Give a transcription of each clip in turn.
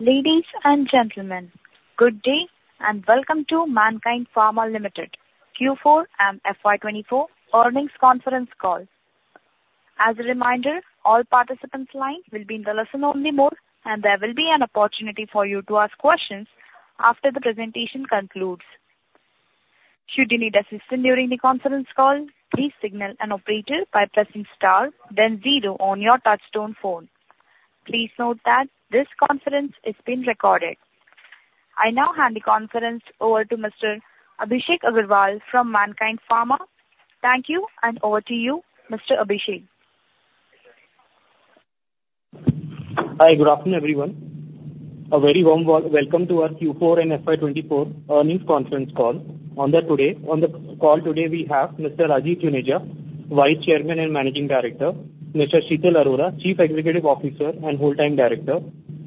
Ladies and gentlemen, good day, and welcome to Mankind Pharma Limited Q4 and FY 2024 earnings conference call. As a reminder, all participants' lines will be in the listen-only mode, and there will be an opportunity for you to ask questions after the presentation concludes. Should you need assistance during the conference call, please signal an operator by pressing star then zero on your touchtone phone. Please note that this conference is being recorded. I now hand the conference over to Mr. Abhishek Agarwal from Mankind Pharma. Thank you, and over to you, Mr. Abhishek. Hi, good afternoon, everyone. A very warm welcome to our Q4 and FY 2024 earnings conference call. On the call today, we have Mr. Rajeev Juneja, Vice Chairman and Managing Director; Mr. Sheetal Arora, Chief Executive Officer and Whole-Time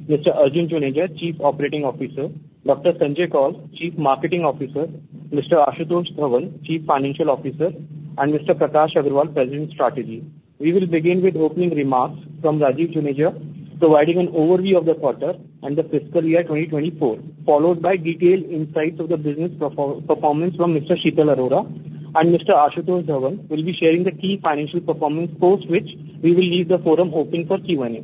Director; Mr. Arjun Juneja, Chief Operating Officer; Dr. Sanjay Koul, Chief Marketing Officer; Mr. Ashutosh Dhawan, Chief Financial Officer; and Mr. Prakash Agarwal, President Strategy. We will begin with opening remarks from Rajeev Juneja, providing an overview of the quarter and the fiscal year 2024, followed by detailed insights of the business performance from Mr. Sheetal Arora, and Mr. Ashutosh Dhawan will be sharing the key financial performance post which we will leave the forum open for Q&A.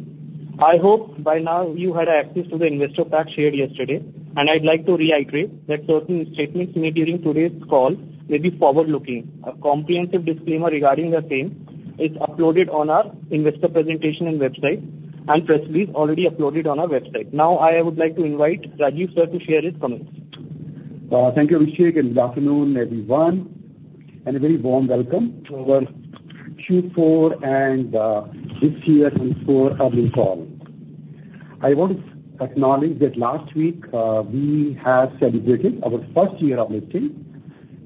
I hope by now you had access to the investor pack shared yesterday, and I'd like to reiterate that certain statements made during today's call may be forward-looking. A comprehensive disclaimer regarding the same is uploaded on our investor presentation and website, and press release already uploaded on our website. Now, I would like to invite Rajeev sir to share his comments. Thank you, Abhishek, and good afternoon, everyone, and a very warm welcome to our Q4 and this year 2024 earnings call. I want to acknowledge that last week we have celebrated our first year of listing.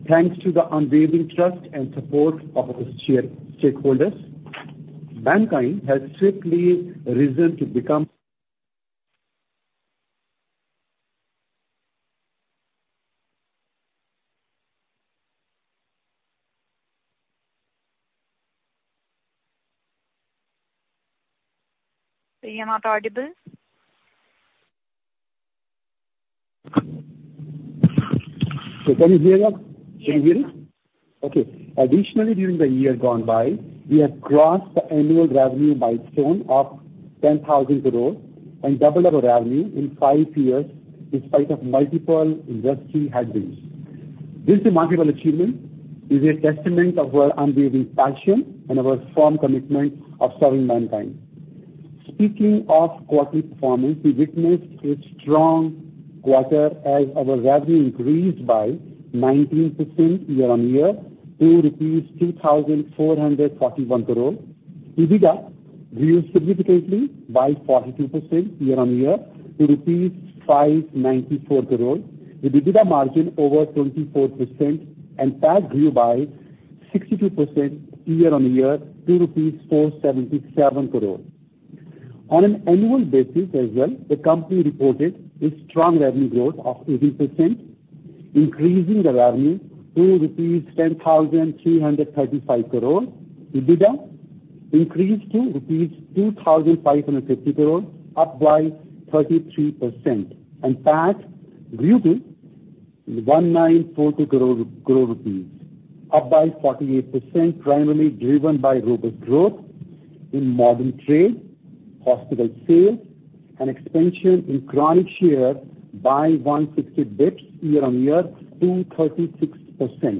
Thanks to the unwavering trust and support of our shareholders, Mankind has swiftly risen to become. You're not audible. So can you hear us? Can you hear us? Okay. Additionally, during the year gone by, we have crossed the annual revenue milestone of 10,000 crore and doubled our revenue in 5 years in spite of multiple industry headwinds. This remarkable achievement is a testament of our unwavering passion and our firm commitment of serving mankind. Speaking of quarterly performance, we witnessed a strong quarter as our revenue increased by 19% year-on-year to INR 2,441 crore. EBITDA grew significantly by 42% year-on-year to rupees 594 crore. The EBITDA margin over 24% and PAT grew by 62% year-on-year to rupees 477 crore. On an annual basis as well, the company reported a strong revenue growth of 18%, increasing the revenue to rupees 10,335 crore. EBITDA increased to rupees 2,550 crore, up by 33%, and PAT grew to INR 194 crore, up by 48%, primarily driven by robust growth in modern trade, hospital sales, and expansion in chronic share by 150 basis points year-on-year to 36%.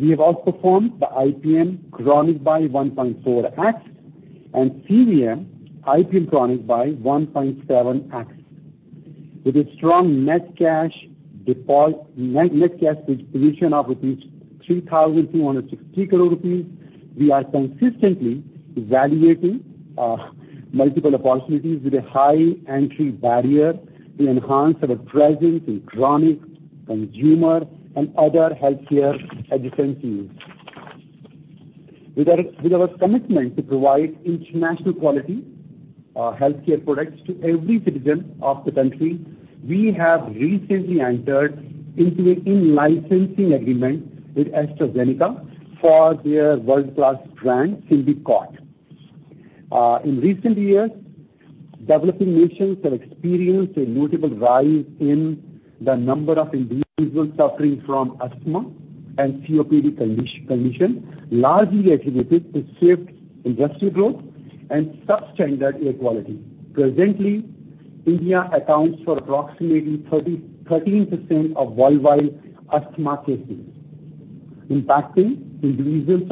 We have outperformed the IPM chronic by 1.4x and CVM, IPM chronic by 1.7x. With a strong net cash position of 3,260 crore rupees, we are consistently evaluating multiple opportunities with a high entry barrier to enhance our presence in chronic, consumer and other healthcare adjacent fields. With our commitment to provide international quality healthcare products to every citizen of the country, we have recently entered into an in-licensing agreement with AstraZeneca for their world-class brand, Symbicort. In recent years, developing nations have experienced a notable rise in the number of individuals suffering from asthma and COPD condition, largely attributed to shift industry growth and substandard air quality. Presently, India accounts for approximately 13% of worldwide asthma cases, impacting individuals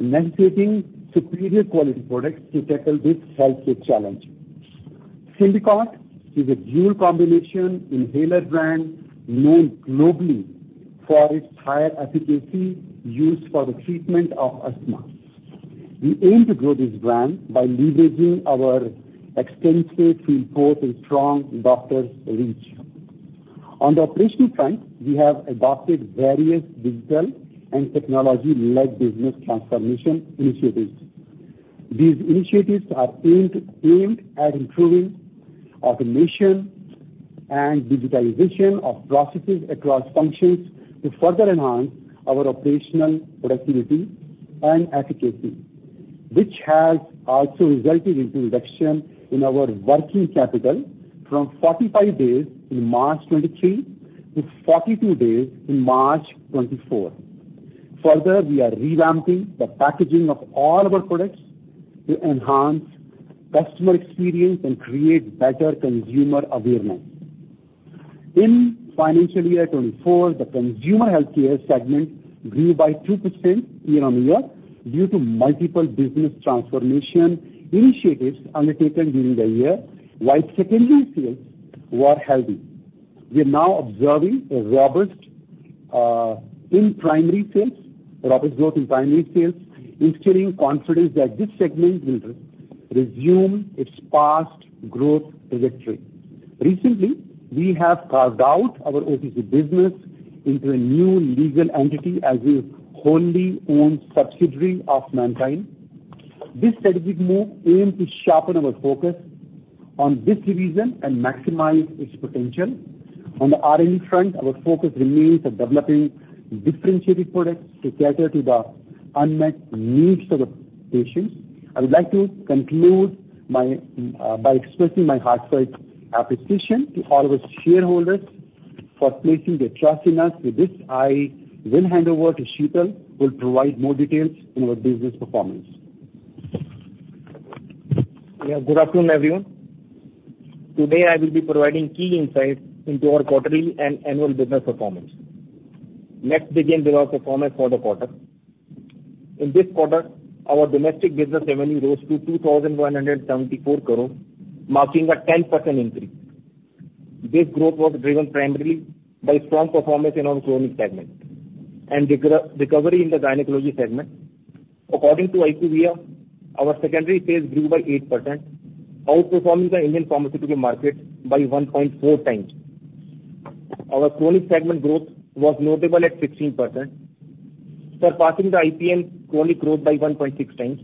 of all ages, thereby necessitating superior quality products to tackle this healthcare challenge. Symbicort is a dual combination inhaler brand known globally for its higher efficacy used for the treatment of asthma. We aim to grow this brand by leveraging our extensive field force and strong doctor's reach. On the operational front, we have adopted various digital and technology-led business transformation initiatives. These initiatives are aimed at improving automation and digitalization of processes across functions to further enhance our operational productivity and efficacy, which has also resulted into reduction in our working capital from 45 days in March 2023 to 42 days in March 2024. Further, we are revamping the packaging of all our products to enhance customer experience and create better consumer awareness. In financial year 2024, the consumer healthcare segment grew by 2% year-on-year due to multiple business transformation initiatives undertaken during the year, while secondary sales were healthy. We are now observing a robust, in primary sales, robust growth in primary sales, instilling confidence that this segment will resume its past growth trajectory. Recently, we have carved out our OTC business into a new legal entity as a wholly-owned subsidiary of Mankind. This strategic move aimed to sharpen our focus on this division and maximize its potential. On the R&D front, our focus remains on developing differentiated products to cater to the unmet needs of the patients. I would like to conclude my by expressing my heartfelt appreciation to all our shareholders for placing their trust in us. With this, I will hand over to Sheetal, who will provide more details on our business performance. Yeah, good afternoon, everyone. Today, I will be providing key insights into our quarterly and annual business performance. Let's begin with our performance for the quarter. In this quarter, our domestic business revenue rose to 2,174 crore, marking a 10% increase. This growth was driven primarily by strong performance in our chronic segment and the re-recovery in the gynecology segment. According to IQVIA, our secondary sales grew by 8%, outperforming the Indian pharmaceutical market by 1.4x. Our chronic segment growth was notable at 16%, surpassing the IPM chronic growth by 1.6 times.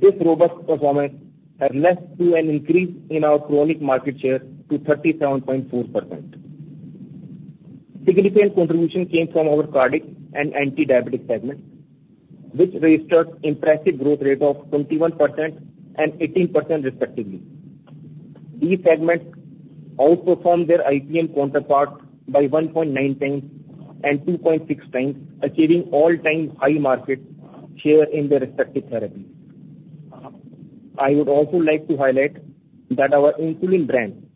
This robust performance had led to an increase in our chronic market share to 37.4%. Significant contribution came from our cardiac and antidiabetic segment, which registered impressive growth rate of 21% and 18% respectively. These segments outperformed their IPM counterparts by 1.9x and 2.6x, achieving all-time high market share in their respective therapies. I would also like to highlight that our insulin brand,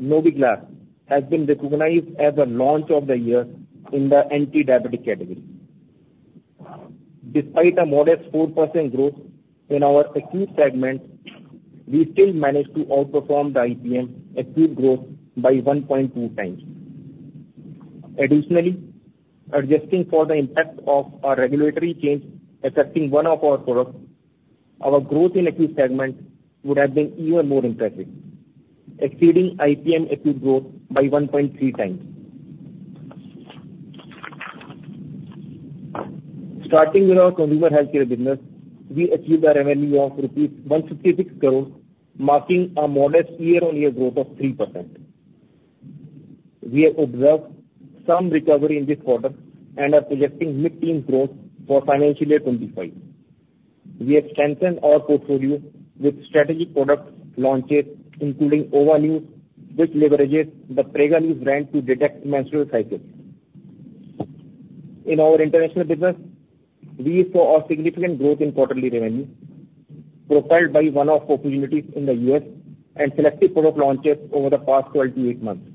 Nobeglar, has been recognized as the Launch of the Year in the antidiabetic category. Despite a modest 4% growth in our acute segment, we still managed to outperform the IPM acute growth by 1.2x. Additionally, adjusting for the impact of a regulatory change affecting one of our products, our growth in acute segment would have been even more impressive, exceeding IPM acute growth by 1.3x. Starting with our consumer healthcare business, we achieved a revenue of rupees 156 crore, marking a modest year-on-year growth of 3%. We have observed some recovery in this quarter and are projecting mid-teen growth for financial year 2025. We extended our portfolio with strategic product launches, including Ova News, which leverages the Prega News brand to detect menstrual cycles. In our international business, we saw a significant growth in quarterly revenue, profiled by one-off opportunities in the U.S. and selective product launches over the past 12 to 8 months.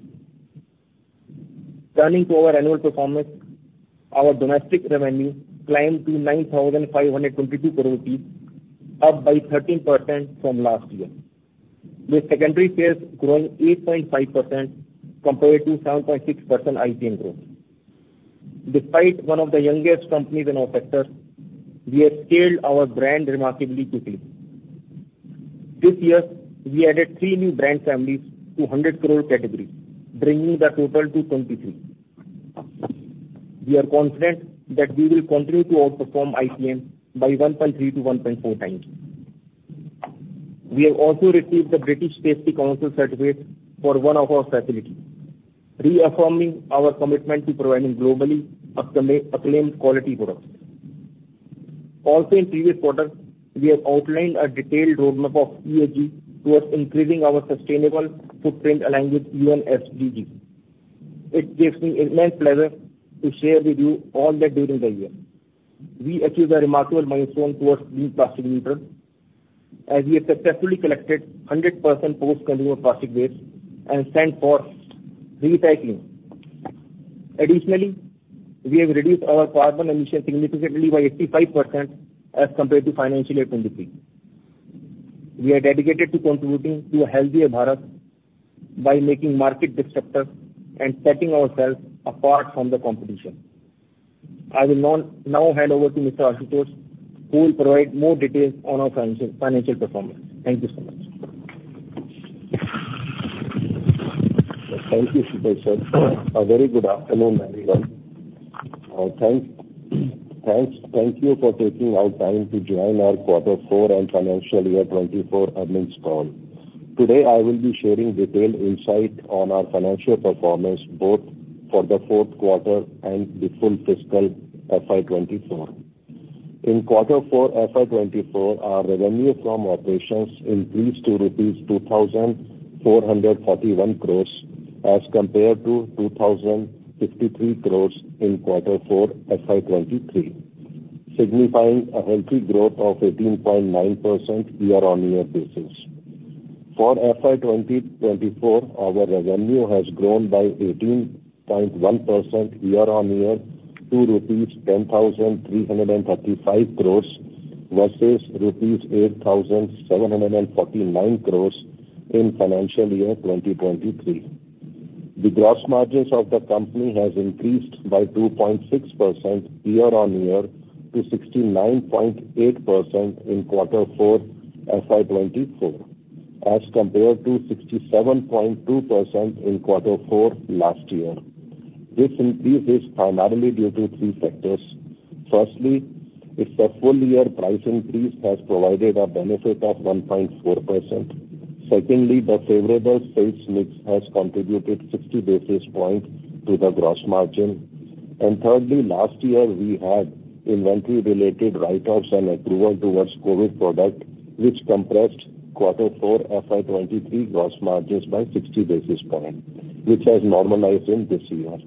Turning to our annual performance, our domestic revenue climbed to 9,522 crore rupees, up by 13% from last year, with secondary sales growing 8.5% compared to 7.6% IPM growth. Despite one of the youngest companies in our sector, we have scaled our brand remarkably quickly. This year, we added three new brand families to hundred crore category, bringing the total to 23. We are confident that we will continue to outperform IPM by 1.3x-1.4x. We have also received the British Safety Council certificate for one of our facilities, reaffirming our commitment to providing globally acclaimed quality products. In previous quarters, we have outlined a detailed roadmap of ESG towards increasing our sustainable footprint aligned with UN SDG. It gives me immense pleasure to share with you all that during the year, we achieved a remarkable milestone towards being plastic neutral, as we have successfully collected 100% post-consumer plastic waste and sent for recycling. Additionally, we have reduced our carbon emissions significantly by 85% as compared to financial year 2023. We are dedicated to contributing to a healthier Bharat by making market disruptor and setting ourselves apart from the competition. I will now hand over to Mr. Ashutosh, who will provide more details on our financial performance. Thank you so much. Thank you, Sheetal sir. A very good afternoon, everyone. Thank you for taking out time to join our quarter four and financial year 2024 earnings call. Today, I will be sharing detailed insight on our financial performance, both for the fourth quarter and the full fiscal FY 2024. In quarter four, FY 2024, our revenue from operations increased to rupees 2,441 crores, as compared to 2,053 crores in quarter four, FY 2023, signifying a healthy growth of 18.9% year-on-year basis. For FY 2024, our revenue has grown by 18.1% year-on-year, to 10,335 crores versus rupees 8,749 crores in financial year 2023. The gross margins of the company has increased by 2.6% year-on-year to 69.8% in quarter four, FY 2024, as compared to 67.2% in quarter four last year. This increase is primarily due to three factors: firstly, it's the full year price increase has provided a benefit of 1.4%. Secondly, the favorable sales mix has contributed 60 basis points to the gross margin. And thirdly, last year, we had inventory-related write-offs and approval towards COVID product, which compressed quarter four, FY 2023 gross margins by 60 basis point, which has normalized in this year.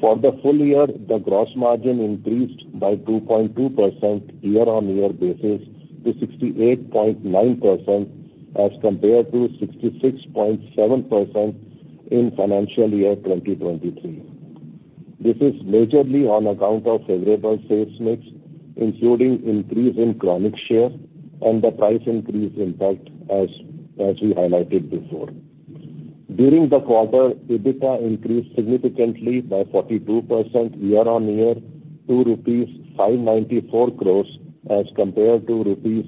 For the full year, the gross margin increased by 2.2% year-on-year basis to 68.9%, as compared to 66.7% in financial year 2023. This is majorly on account of favorable sales mix, including increase in chronic share and the price increase impact, as we highlighted before. During the quarter, EBITDA increased significantly by 42% year-on-year to rupees 594 crore as compared to rupees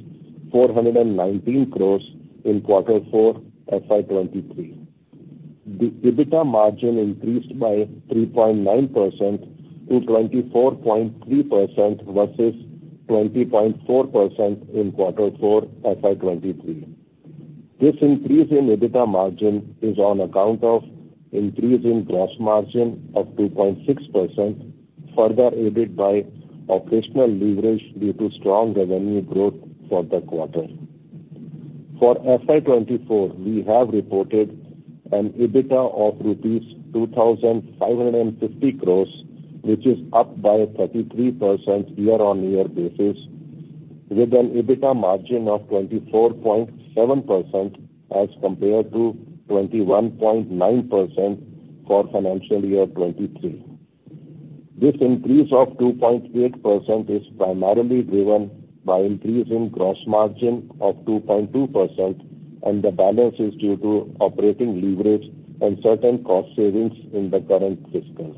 419 crore in quarter four, FY 2023. The EBITDA margin increased by 3.9%-24.3%, versus 20.4% in quarter four, FY 2023. This increase in EBITDA margin is on account of increase in gross margin of 2.6%, further aided by operational leverage due to strong revenue growth for the quarter. For FY 2024, we have reported an EBITDA of rupees 2,550 crore, which is up by 33% year-on-year basis, with an EBITDA margin of 24.7%, as compared to 21.9% for FY 2023. This increase of 2.8% is primarily driven by increase in gross margin of 2.2%, and the balance is due to operating leverage and certain cost savings in the current fiscal.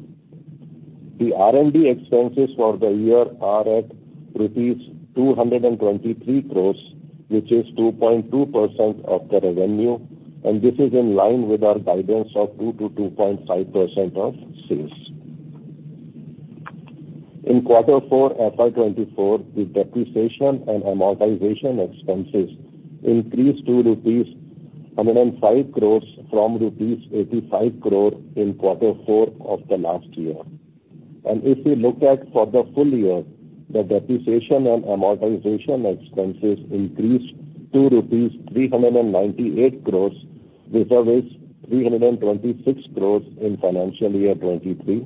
The R&D expenses for the year are at rupees 223 crore, which is 2.2% of the revenue, and this is in line with our guidance of 2%-2.5% of sales. In quarter four, FY 2024, the depreciation and amortization expenses increased to rupees 105 crore from rupees 85 crore in quarter four of the last year. If we look at for the full year, the depreciation and amortization expenses increased to rupees 398 crore, versus 326 crore in financial year 2023,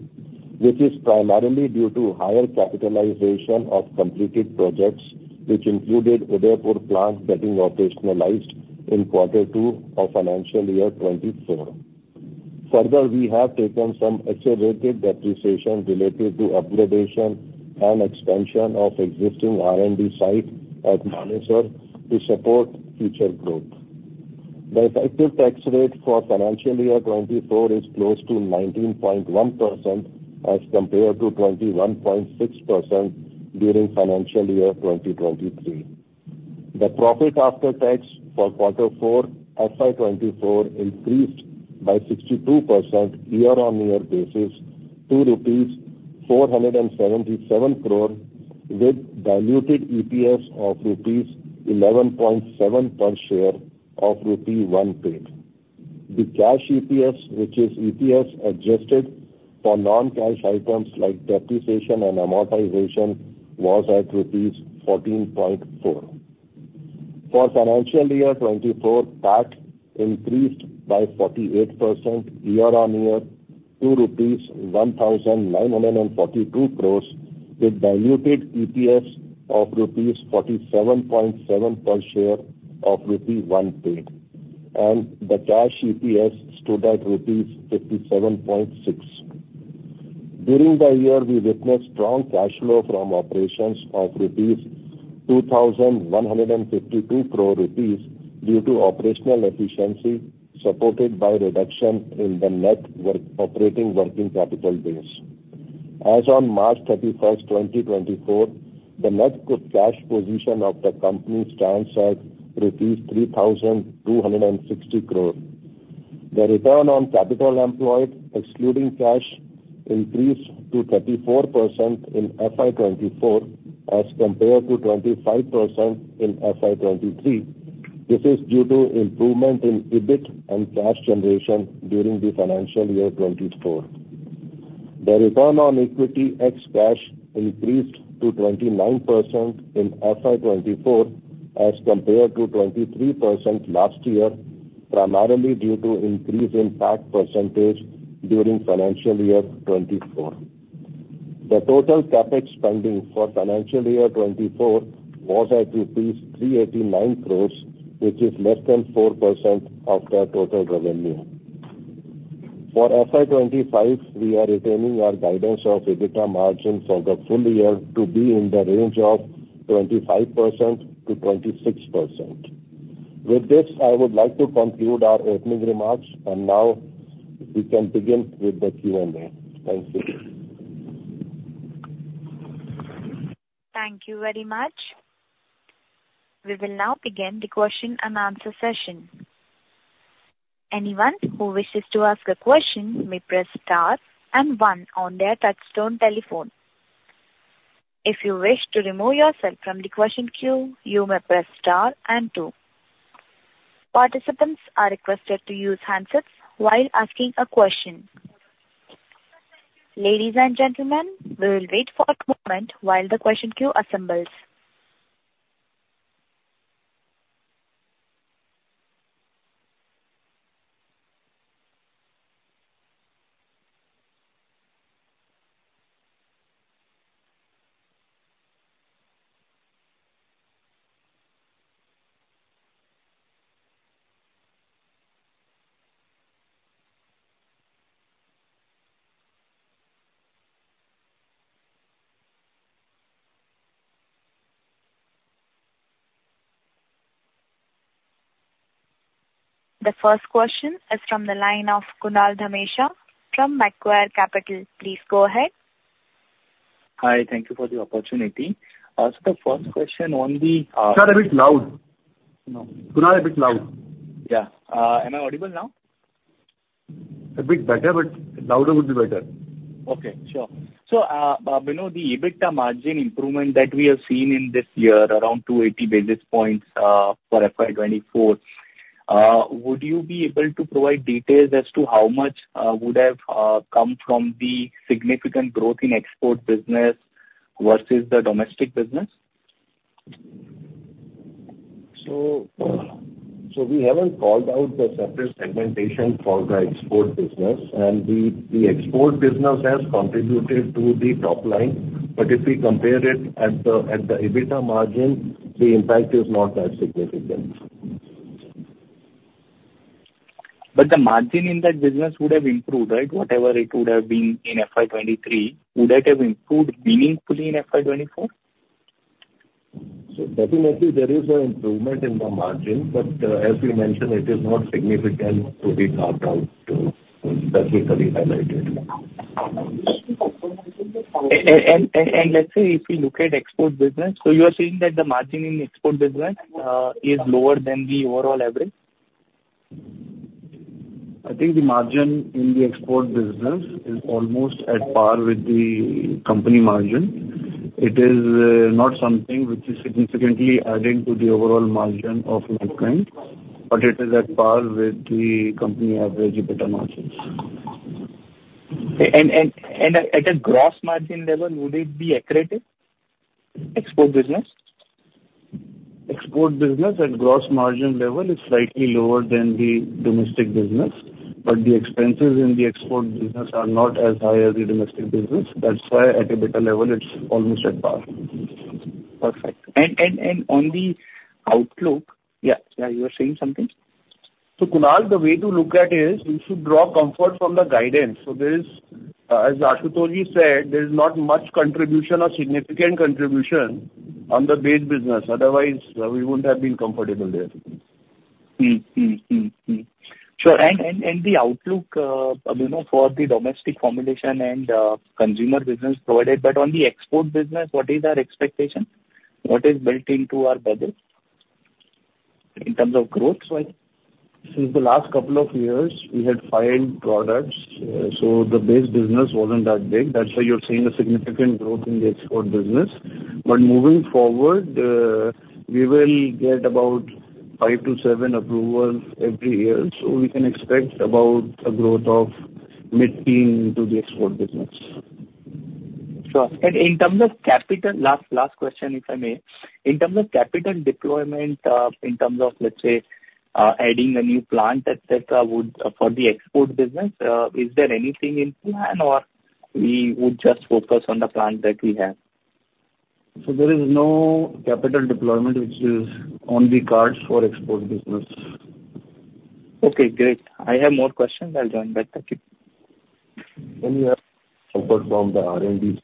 which is primarily due to higher capitalization of completed projects, which included Udaipur plant getting operationalized in quarter two of financial year 2024. Further, we have taken some accelerated depreciation related to upgradation and expansion of existing R&D site at Manesar to support future growth. The effective tax rate for financial year 2024 is close to 19.1%, as compared to 21.6% during financial year 2023. The profit after tax for quarter four, FY 2024 increased by 62% year-on-year basis to rupees 477 crore, with diluted EPS of rupees 11.7 per share of rupee 1 paid. The cash EPS, which is EPS adjusted for non-cash items like depreciation and amortization, was at rupees 14.4 crore. For financial year 2024, PAT increased by 48% year-on-year to 1,942 crore, with diluted EPS of rupees 47.7 per share of rupee 1 paid, and the cash EPS stood at rupees 57.6. During the year, we witnessed strong cash flow from operations of 2,152 crore rupees due to operational efficiency, supported by reduction in the net working capital base. As on March 31st, 2024, the net good cash position of the company stands at INR 3,260 crore. The return on capital employed, excluding cash, increased to 34% in FY 2024, as compared to 25% in FY 2023. This is due to improvement in EBIT and cash generation during the financial year 2024. The return on equity ex cash increased to 29% in FY 2024, as compared to 23% last year, primarily due to increase in tax percentage during financial year 2024. The total CapEx spending for financial year 2024 was at INR 389 crore, which is less than 4% of the total revenue. For FY 2025, we are retaining our guidance of EBITDA margin for the full year to be in the range of 25%-26%. With this, I would like to conclude our opening remarks, and now we can begin with the Q&A. Thank you. Thank you very much. We will now begin the question and answer session. Anyone who wishes to ask a question may press star and one on their touchtone telephone. If you wish to remove yourself from the question queue, you may press star and two. Participants are requested to use handsets while asking a question. Ladies and gentlemen, we will wait for a moment while the question queue assembles. The first question is from the line of Kunal Dhamesha from Macquarie Capital. Please go ahead. Hi, thank you for the opportunity. So the first question on the, You sound a bit loud. Kunal, a bit loud. Yeah. Am I audible now? A bit better, but louder would be better. Okay, sure. So, you know, the EBITDA margin improvement that we have seen in this year, around 280 basis points, for FY 2024, would you be able to provide details as to how much would have come from the significant growth in export business versus the domestic business? So, so we haven't called out the separate segmentation for the export business, and the export business has contributed to the top line. But if we compare it at the EBITDA margin, the impact is not that significant. But the margin in that business would have improved, right? Whatever it would have been in FY 2023, would that have improved meaningfully in FY 2024? Definitely, there is an improvement in the margin, but, as we mentioned, it is not significant to be called out to, specifically highlighted. let's say, if you look at export business, so you are saying that the margin in export business is lower than the overall average? I think the margin in the export business is almost at par with the company margin. It is, not something which is significantly adding to the overall margin of Mankind, but it is at par with the company average EBITDA margins. At a gross margin level, would it be accurate, export business? Export business at gross margin level is slightly lower than the domestic business, but the expenses in the export business are not as high as the domestic business. That's why at a better level, it's almost at par. Perfect. And on the outlook. Yeah, yeah, you were saying something? Kunal, the way to look at it is, we should draw comfort from the guidance. There is, as Ashutosh said, there's not much contribution or significant contribution on the base business, otherwise we wouldn't have been comfortable there. Sure. And the outlook, you know, for the domestic formulation and consumer business provided, but on the export business, what is our expectation? What is built into our budget in terms of growth-wise? Since the last couple of years, we had 5 products, so the base business wasn't that big. That's why you're seeing a significant growth in the export business. But moving forward, we will get about 5-7 approvals every year, so we can expect about a growth of mid-teen to the export business. Sure. And in terms of capital. Last, last question, if I may. In terms of capital deployment, in terms of, let's say, adding a new plant, et cetera, would—for the export business, is there anything in plan or we would just focus on the plant that we have? There is no capital deployment which is on the cards for export business. Okay, great. I have more questions. I'll join back. Thank you. We have support from the R&D.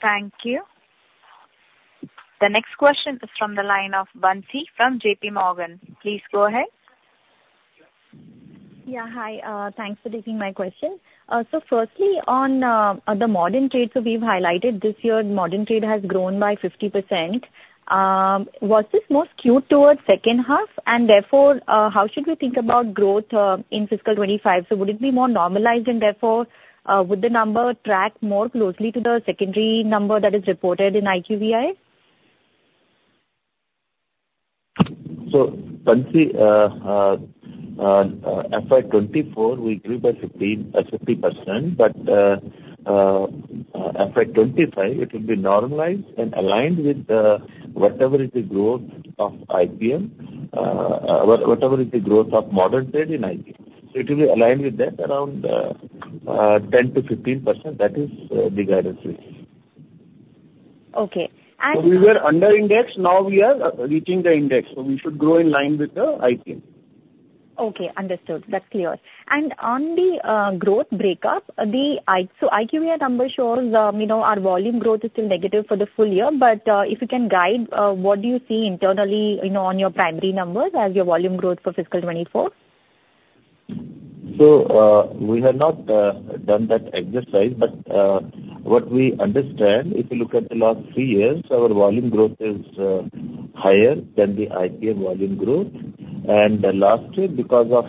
Thank you. The next question is from the line of Bansi from JP Morgan. Please go ahead.... Yeah, hi, thanks for taking my question. So firstly, on the modern trade, so we've highlighted this year, modern trade has grown by 50%. Was this more skewed towards second half? And therefore, how should we think about growth in fiscal 2025? So would it be more normalized, and therefore, would the number track more closely to the secondary number that is reported in IQVIA? So Panacea, FY 2024, we grew by 15-50%, but FY 2025, it will be normalized and aligned with whatever is the growth of IPM, whatever is the growth of modern trade in IPM. So it will be aligned with that around 10%-15%. That is the guidance we give. Okay, and- So we were under index, now we are reaching the index, so we should grow in line with the IPM. Okay, understood. That's clear. And on the growth breakup, the IQVIA number shows, you know, our volume growth is still negative for the full year. But if you can guide, what do you see internally, you know, on your primary numbers as your volume growth for fiscal 2024? So, we have not done that exercise, but what we understand, if you look at the last three years, our volume growth is higher than the IPM volume growth. And lastly, because of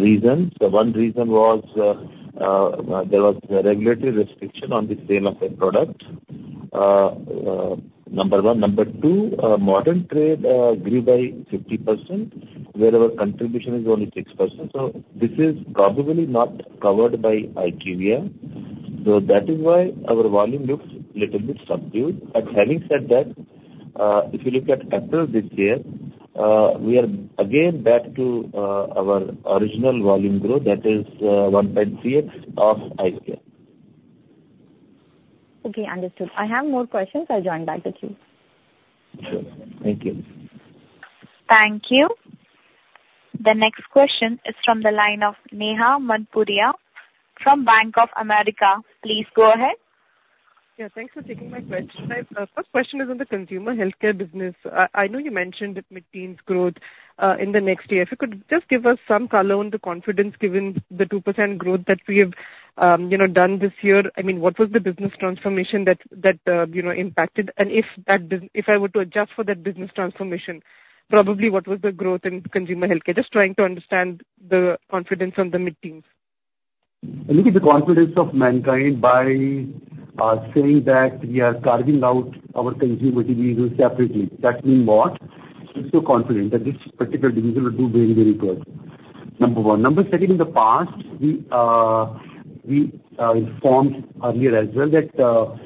reasons, the one reason was there was a regulatory restriction on the sale of a product, number one. Number two, modern trade grew by 50%, where our contribution is only 6%, so this is probably not covered by IQVIA. So that is why our volume looks little bit subdued. But having said that, if you look at April this year, we are again back to our original volume growth, that is 1.38 of IQVIA. Okay, understood. I have more questions. I'll join back with you. Sure. Thank you. Thank you. The next question is from the line of Neha Manpuria from Bank of America. Please go ahead. Yeah, thanks for taking my question. First question is on the consumer healthcare business. I know you mentioned the mid-teens growth in the next year. If you could just give us some color on the confidence, given the 2% growth that we have, you know, done this year. I mean, what was the business transformation that you know, impacted? And if I were to adjust for that business transformation, probably, what was the growth in consumer healthcare? Just trying to understand the confidence on the mid-teens. I think the confidence of Mankind by saying that we are carving out our consumer division separately. That means what? We're so confident that this particular division will do very, very good, number one. Number second, in the past, we, we, informed earlier as well that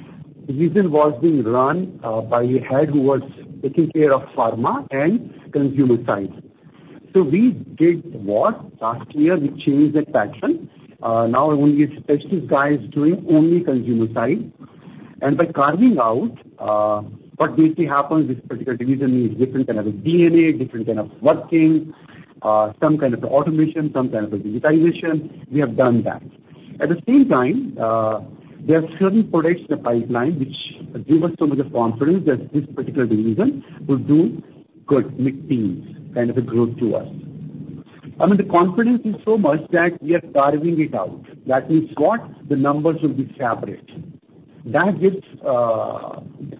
division was being run by a head who was taking care of pharma and consumer side. So we did what? Last year, we changed that pattern. Now we have specialist guys doing only consumer side. And by carving out, what basically happens, this particular division needs different kind of a DNA, different kind of working, some kind of automation, some kind of digitization. We have done that. At the same time, there are certain products in the pipeline which give us so much of confidence that this particular division will do good, mid-teens, kind of a growth to us. I mean, the confidence is so much that we are carving it out. That means what? The numbers will be separate. That gives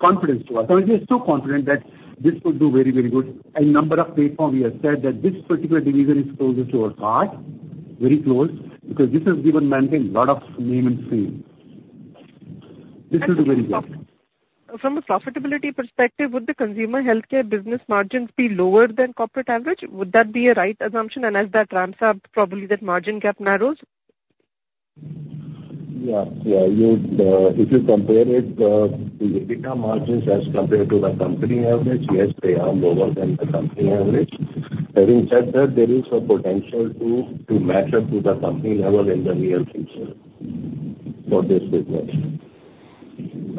confidence to us. So we are so confident that this will do very, very good. A number of platforms, we have said that this particular division is closest to our heart, very close, because this has given Mankind a lot of name and fame. This will do very good. From a profitability perspective, would the consumer healthcare business margins be lower than corporate average? Would that be a right assumption, and as that ramps up, probably that margin gap narrows? Yeah, yeah. If you compare it, the EBITDA margins as compared to the company average, yes, they are lower than the company average. Having said that, there is a potential to match up to the company level in the near future for this business.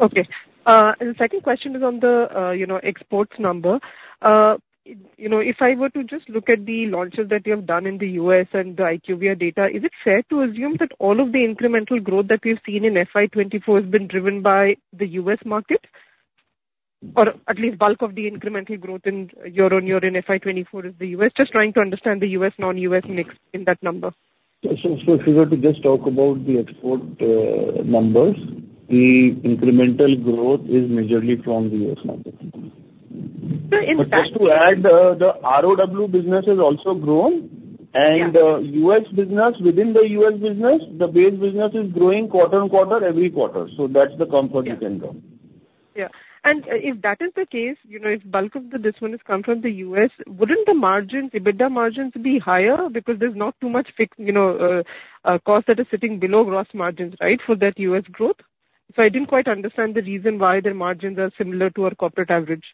Okay. And the second question is on the, you know, exports number. You know, if I were to just look at the launches that you have done in the U.S. and the IQVIA data, is it fair to assume that all of the incremental growth that we've seen in FY 2024 has been driven by the U.S. market? Or at least bulk of the incremental growth in year-on-year in FY 2024 is the U.S. Just trying to understand the U.S., non-U.S. mix in that number. So if you were to just talk about the export numbers, the incremental growth is majorly from the U.S. market. So is that- Just to add, the ROW business has also grown- Yeah. and US business, within the US business, the base business is growing quarter-on-quarter, every quarter. So that's the comfort you can draw. Yeah. And if that is the case, you know, if bulk of the business come from the U.S., wouldn't the margins, EBITDA margins, be higher? Because there's not too much fixed, you know, cost that is sitting below gross margins, right, for that U.S. growth. So I didn't quite understand the reason why the margins are similar to our corporate average.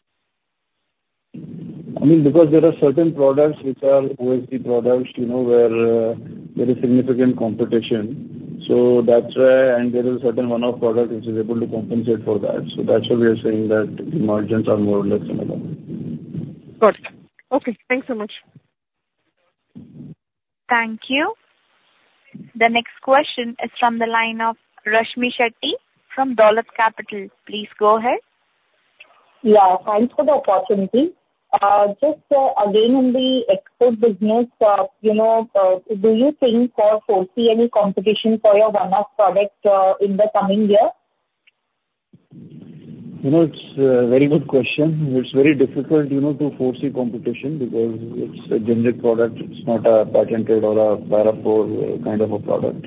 I mean, because there are certain products which are OTC products, you know, where there is significant competition. So that's why... And there is a certain one-off product which is able to compensate for that. So that's why we are saying that the margins are more or less similar. Got it. Okay, thanks so much. Thank you. The next question is from the line of Rashmi Shetty from Dolat Capital. Please go ahead. Yeah, thanks for the opportunity. Just, again, in the export business, you know, do you think or foresee any competition for your one-off product, in the coming year? You know, it's a very good question. It's very difficult, you know, to foresee competition because it's a generic product. It's not a patented or a bio kind of a product.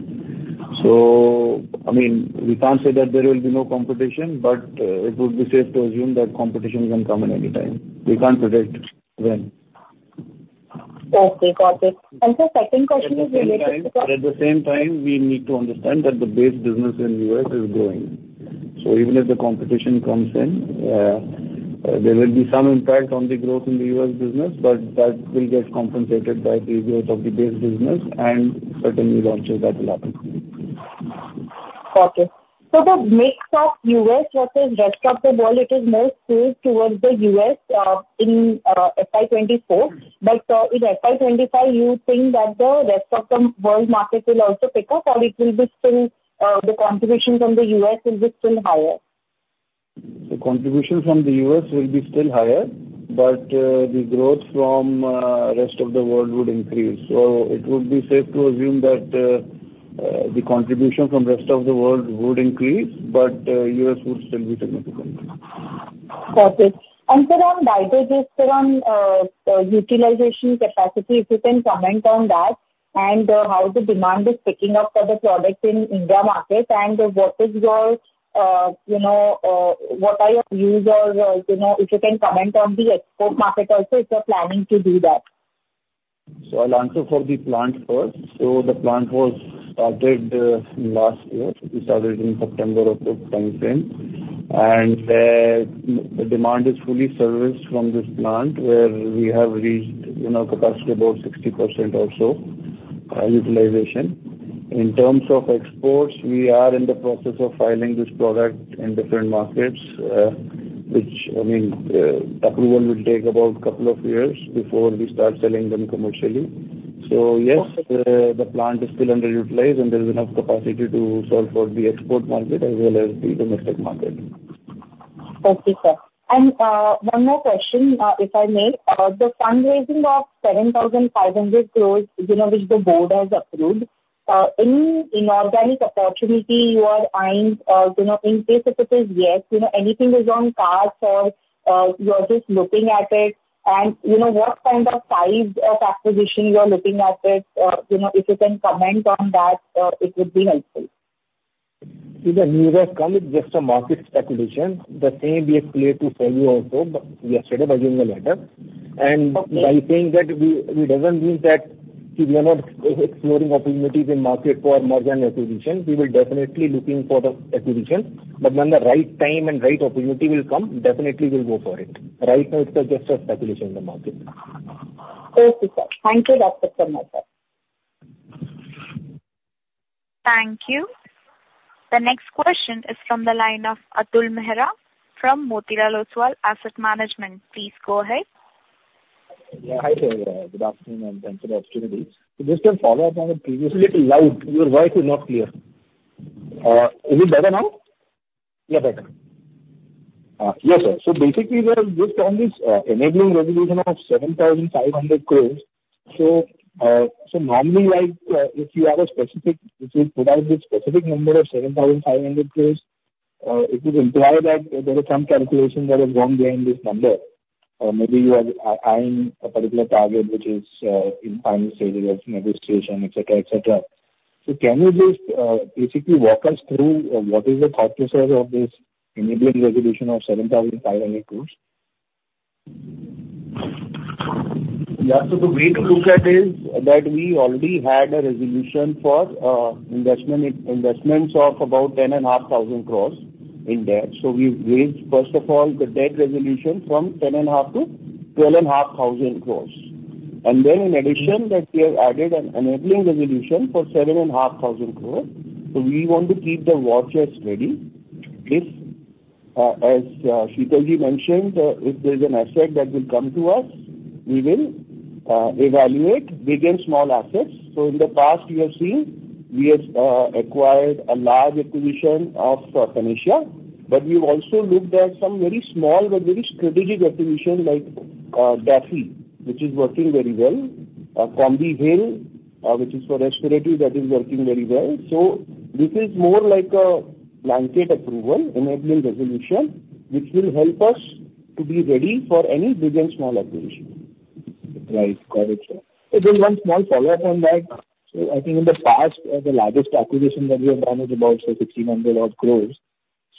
So, I mean, we can't say that there will be no competition, but it would be safe to assume that competition can come in any time. We can't predict when. Okay, got it. Sir, second question is related to the- But at the same time, we need to understand that the base business in the U.S. is growing. So even if the competition comes in, there will be some impact on the growth in the U.S. business, but that will get compensated by the growth of the base business and certain new launches that will happen. Got it. So the mix of U.S. versus rest of the world, it is more skewed towards the U.S., in FY 2024. But, in FY 2025, you think that the rest of the world market will also pick up, or it will be still, the contribution from the U.S. will be still higher? The contribution from the U.S. will be still higher, but the growth from rest of the world would increase. So it would be safe to assume that the contribution from rest of the world would increase, but U.S. would still be significant. Got it. And sir, on Dydro, just around utilization capacity, if you can comment on that, and how the demand is picking up for the product in India market, and what is your, you know, what are your views or, you know, if you can comment on the export market also, if you're planning to do that. So I'll answer for the plant first. The plant was started last year. We started in September of the timeframe. And the demand is fully serviced from this plant, where we have reached, you know, capacity about 60% or so utilization. In terms of exports, we are in the process of filing this product in different markets, which, I mean, approval will take about a couple of years before we start selling them commercially. Yes, the plant is still underutilized, and there is enough capacity to solve for the export market as well as the domestic market. Okay, sir. One more question, if I may. The fundraising of 7,500 crores, you know, which the board has approved, any inorganic opportunity you are eyeing, you know, in case if it is yes, you know, anything is on cards, or, you are just looking at it? And, you know, what kind of size of acquisition you are looking at it, you know, if you can comment on that, it would be helpful. See, the news has come, it's just a market speculation. The same we have cleared to you also, but yesterday by giving a letter. And by saying that, it doesn't mean that we are not exploring opportunities in market for merger and acquisition. We will definitely looking for the acquisition, but when the right time and right opportunity will come, definitely we'll go for it. Right now, it's just a speculation in the market. Okay, sir. Thank you, Dr. Karnawat. Thank you. The next question is from the line of Atul Mehra from Motilal Oswal Asset Management. Please go ahead. Yeah. Hi there, good afternoon, and thanks for the opportunity. Just a follow-up on the previously. Little loud, your voice is not clear. Is it better now? Yeah, better. Yes, sir. So basically, just on this, enabling resolution of 7,500 crore. So, normally, like, if you provide this specific number of 7,500 crore, it will imply that there is some calculation that has gone behind this number. Maybe you are eyeing a particular target, which is in final stages of negotiation, et cetera, et cetera. So can you just basically walk us through what is the thought process of this enabling resolution of 7,500 crore? Yeah, so the way to look at it is that we already had a resolution for investment, investment of about 10,500 crore in debt. So we raised, first of all, the debt resolution from 10,500 crore to 12,500 crore. And then in addition, that we have added an enabling resolution for 7,500 crore. So we want to keep the war chest ready. If, as Sheetal Ji mentioned, if there's an asset that will come to us, we will evaluate big and small assets. So in the past you have seen, we have acquired a large acquisition of Panacea, but we've also looked at some very small but very strategic acquisition, like Daffy, which is working very well. Combihale, which is for respiratory, that is working very well. This is more like a blanket approval, enabling resolution, which will help us to be ready for any big and small acquisition. Right. Got it, sir. So just one small follow-up on that. So I think in the past, the largest acquisition that we have done is about, say, 1,600-odd crore.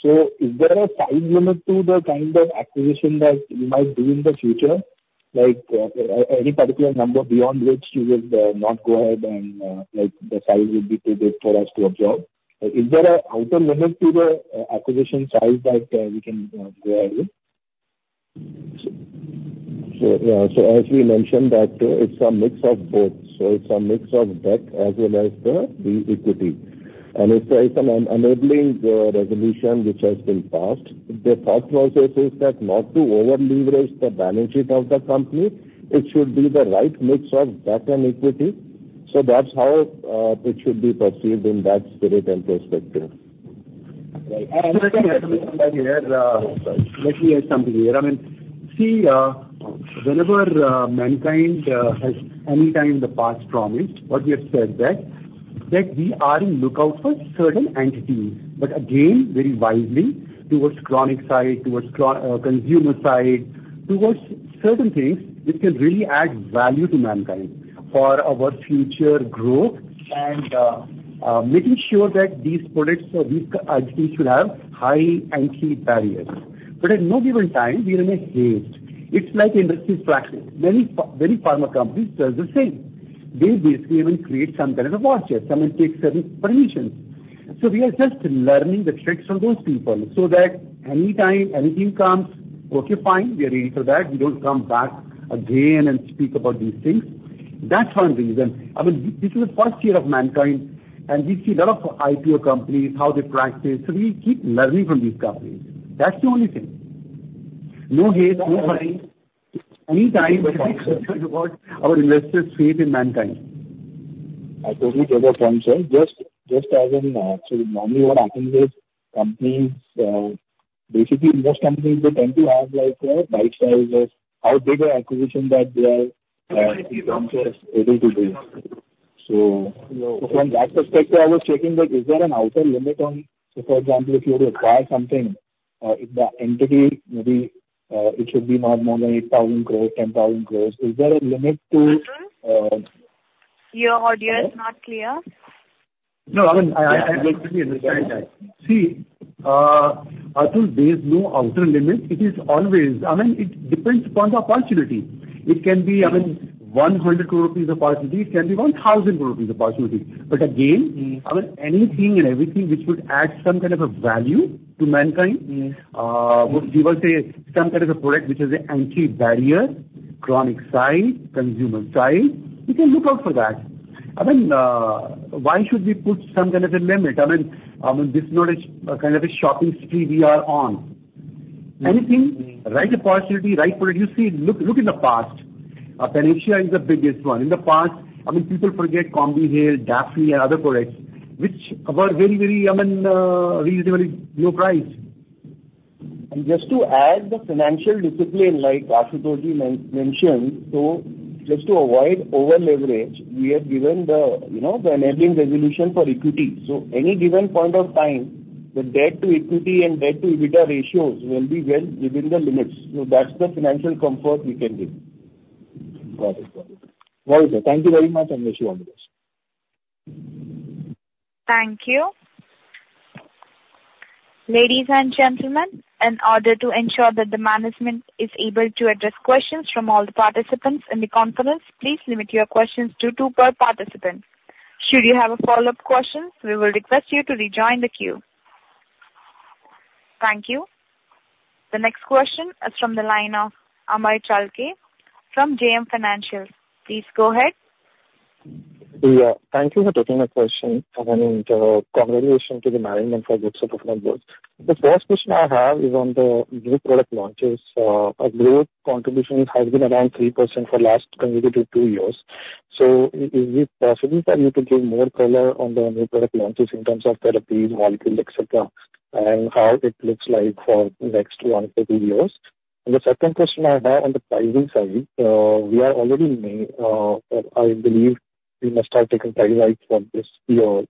So is there a size limit to the kind of acquisition that you might do in the future? Like, any particular number beyond which you will not go ahead and, like, the size would be too big for us to absorb. Is there an upper limit to the acquisition size that we can go ahead with? So, so as we mentioned that, it's a mix of both. So it's a mix of debt as well as the, the equity. And it's an enabling, resolution which has been passed. The thought process is that not to over-leverage the balance sheet of the company, it should be the right mix of debt and equity. So that's how, it should be perceived in that spirit and perspective. Right. And let me, let me come back here, let me add something here. I mean, see, whenever Mankind has any time in the past promised, what we have said that we are in lookout for certain entities, but again, very widely towards chronic side, towards consumer side, towards certain things which can really add value to Mankind for our future growth and making sure that these products or these entities should have high entry barriers. But at no given time we are in a haste. It's like industry practice. Many pharma companies does the same. They basically even create some kind of a watch list, I mean, take certain permissions. So we are just learning the tricks from those people so that any time anything comes, okay, fine, we are ready for that. We don't come back again and speak about these things. That's one reason. I mean, this is the first year of Mankind, and we see lot of IPO companies, how they practice, so we keep learning from these companies. That's the only thing. No haste, no hurry. Anytime our investors faith in Mankind. I totally get the point, sir. Just, just as in, so normally what happens is companies, basically most companies, they tend to have, like, you know, bite sizes, how big an acquisition that they are, able to do. So from that perspective, I was checking that is there an outer limit on. So for example, if you were to acquire something, if the entity maybe, it should be not more than 8,000 crore, 10,000 crore, is there a limit to, Your audio is not clear. No, I mean, I completely understand that. See, Atul, there is no outer limit. It is always, I mean, it depends upon the opportunity. It can be, I mean, 100 crore rupees opportunity, it can be 1,000 crore rupees opportunity. But againI mean, anything and everything which would add some kind of a value to Mankind would give us some kind of a product which is an entry barrier, chronic side, consumer side, we can look out for that. I mean, why should we put some kind of a limit? I mean, I mean, this is not a kind of a shopping spree we are on. Anything, right opportunity, right product. You see, look, look in the past. Panacea is the biggest one. In the past, I mean, people forget Combihale, Daffy and other products, which were very, very, I mean, reasonably low price. And just to add the financial discipline, like Ashutosh mentioned, so just to avoid over-leverage, we have given the, you know, the enabling resolution for equity. So any given point of time, the debt to equity and debt to EBITDA ratios will be well within the limits. So that's the financial comfort we can give. Got it. Got it. Well, sir, thank you very much, and wish you all the best. Thank you. Ladies and gentlemen, in order to ensure that the management is able to address questions from all the participants in the conference, please limit your questions to two per participant. Should you have a follow-up question, we will request you to rejoin the queue. Thank you. The next question is from the line of Amar Chalke from JM Financial. Please go ahead. Yeah, thank you for taking my question, and, congratulations to the management for good set of numbers. The first question I have is on the new product launches. Our growth contribution has been around 3% for last cumulative two years. So is it possible for you to give more color on the new product launches in terms of therapies, volume, et cetera, and how it looks like for next one to two years? And the second question I have on the pricing side, we are already in May, but I believe we must have taken price hikes from this year.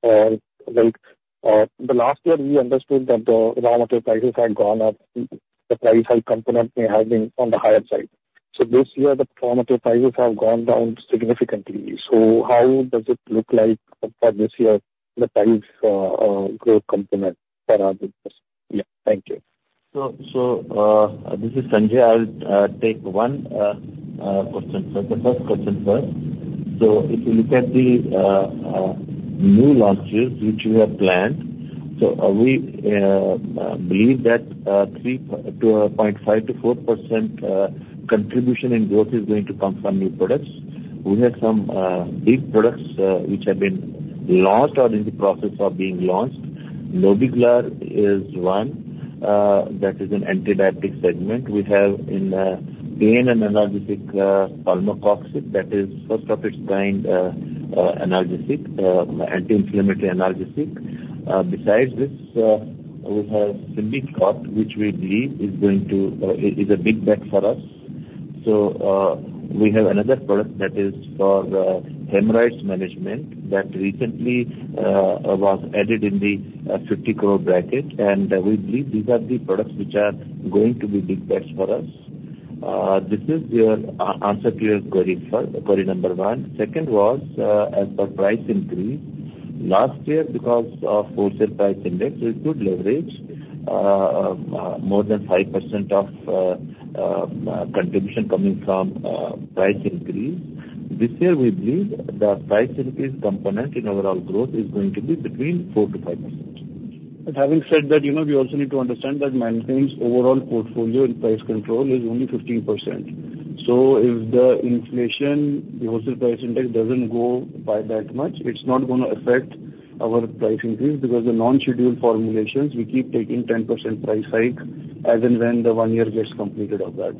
Like, the last year we understood that the raw material prices had gone up, the price hike component may have been on the higher side. So this year the raw material prices have gone down significantly. So how does it look like for this year, the price growth component for our business? Yeah, thank you. So, this is Sanjay. I'll take one question. So the first question first. So if you look at the new launches which we have planned, we believe that 3.5%-4% contribution in growth is going to come from new products. We have some big products which have been launched or in the process of being launched. Nobeglar is one, that is in antibiotic segment. We have in pain and analgesic pharma products, that is first-of-its-kind analgesic anti-inflammatory analgesic. Besides this, we have Symbicort, which we believe is a big bet for us. So, we have another product that is for hemorrhoids management that recently was added in the 50 crore bracket, and we believe these are the products which are going to be big bets for us. This is your answer to your query for query number one. Second was, as per price increase, last year because of 4-year price index, we could leverage more than 5% of contribution coming from price increase. This year we believe the price increase component in overall growth is going to be between 4%-5%. But having said that, you know, we also need to understand that Mankind's overall portfolio in price control is only 15%. So if the inflation, the wholesale price index, doesn't go by that much, it's not gonna affect our price increase, because the non-schedule formulations, we keep taking 10% price hike as and when the one year gets completed of that.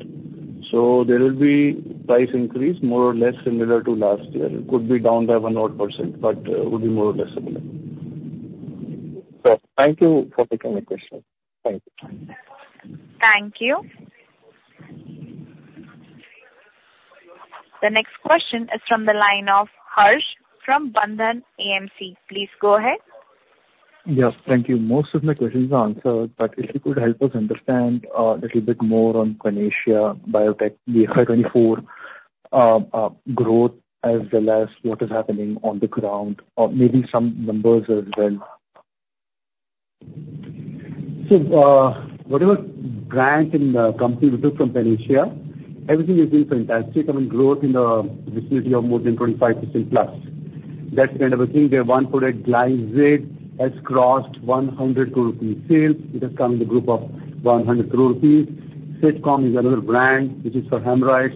So there will be price increase, more or less similar to last year. It could be down by 1 odd%, but would be more or less similar. So thank you for taking my question. Thank you. Thank you. The next question is from the line of Harsh, from Bandhan AMC. Please go ahead. Yes, thank you. Most of my questions are answered, but if you could help us understand, little bit more on Panacea Biotec, the FY 2024 growth, as well as what is happening on the ground, or maybe some numbers as well? So, whatever brand and company we took from Panacea, everything has been fantastic. I mean, growth in the vicinity of more than 25%+. That kind of a thing, where one product, Glizid, has crossed 100 crore rupees sales. It has come in the group of 100 crore rupees. Sitcom is another brand, which is for hemorrhoids.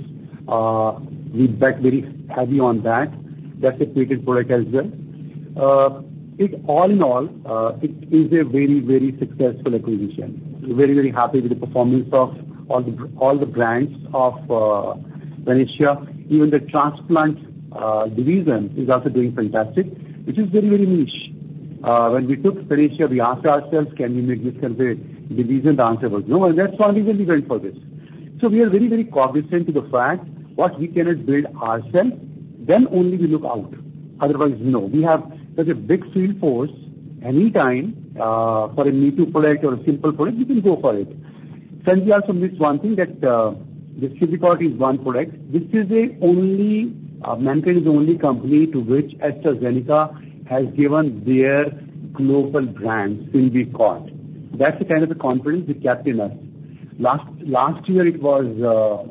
We bet very heavy on that. That's a treated product as well. It all in all, it is a very, very successful acquisition. We're very, very happy with the performance of all the, all the brands of Panacea. Even the transplant division is also doing fantastic, which is very, very niche. When we took Panacea, we asked ourselves, "Can we make this kind of a division?" The answer was no, and that's why we will be going for this. So we are very, very cognizant to the fact, what we cannot build ourself, then only we look out. Otherwise, no. We have such a big sales force, anytime, for a me-too product or a simple product, we can go for it. Then we also missed one thing, that, distinct quality is one product. This is the only, Mankind is the only company to which AstraZeneca has given their global brand in Symbicort. That's the kind of confidence they kept in us. Last year it was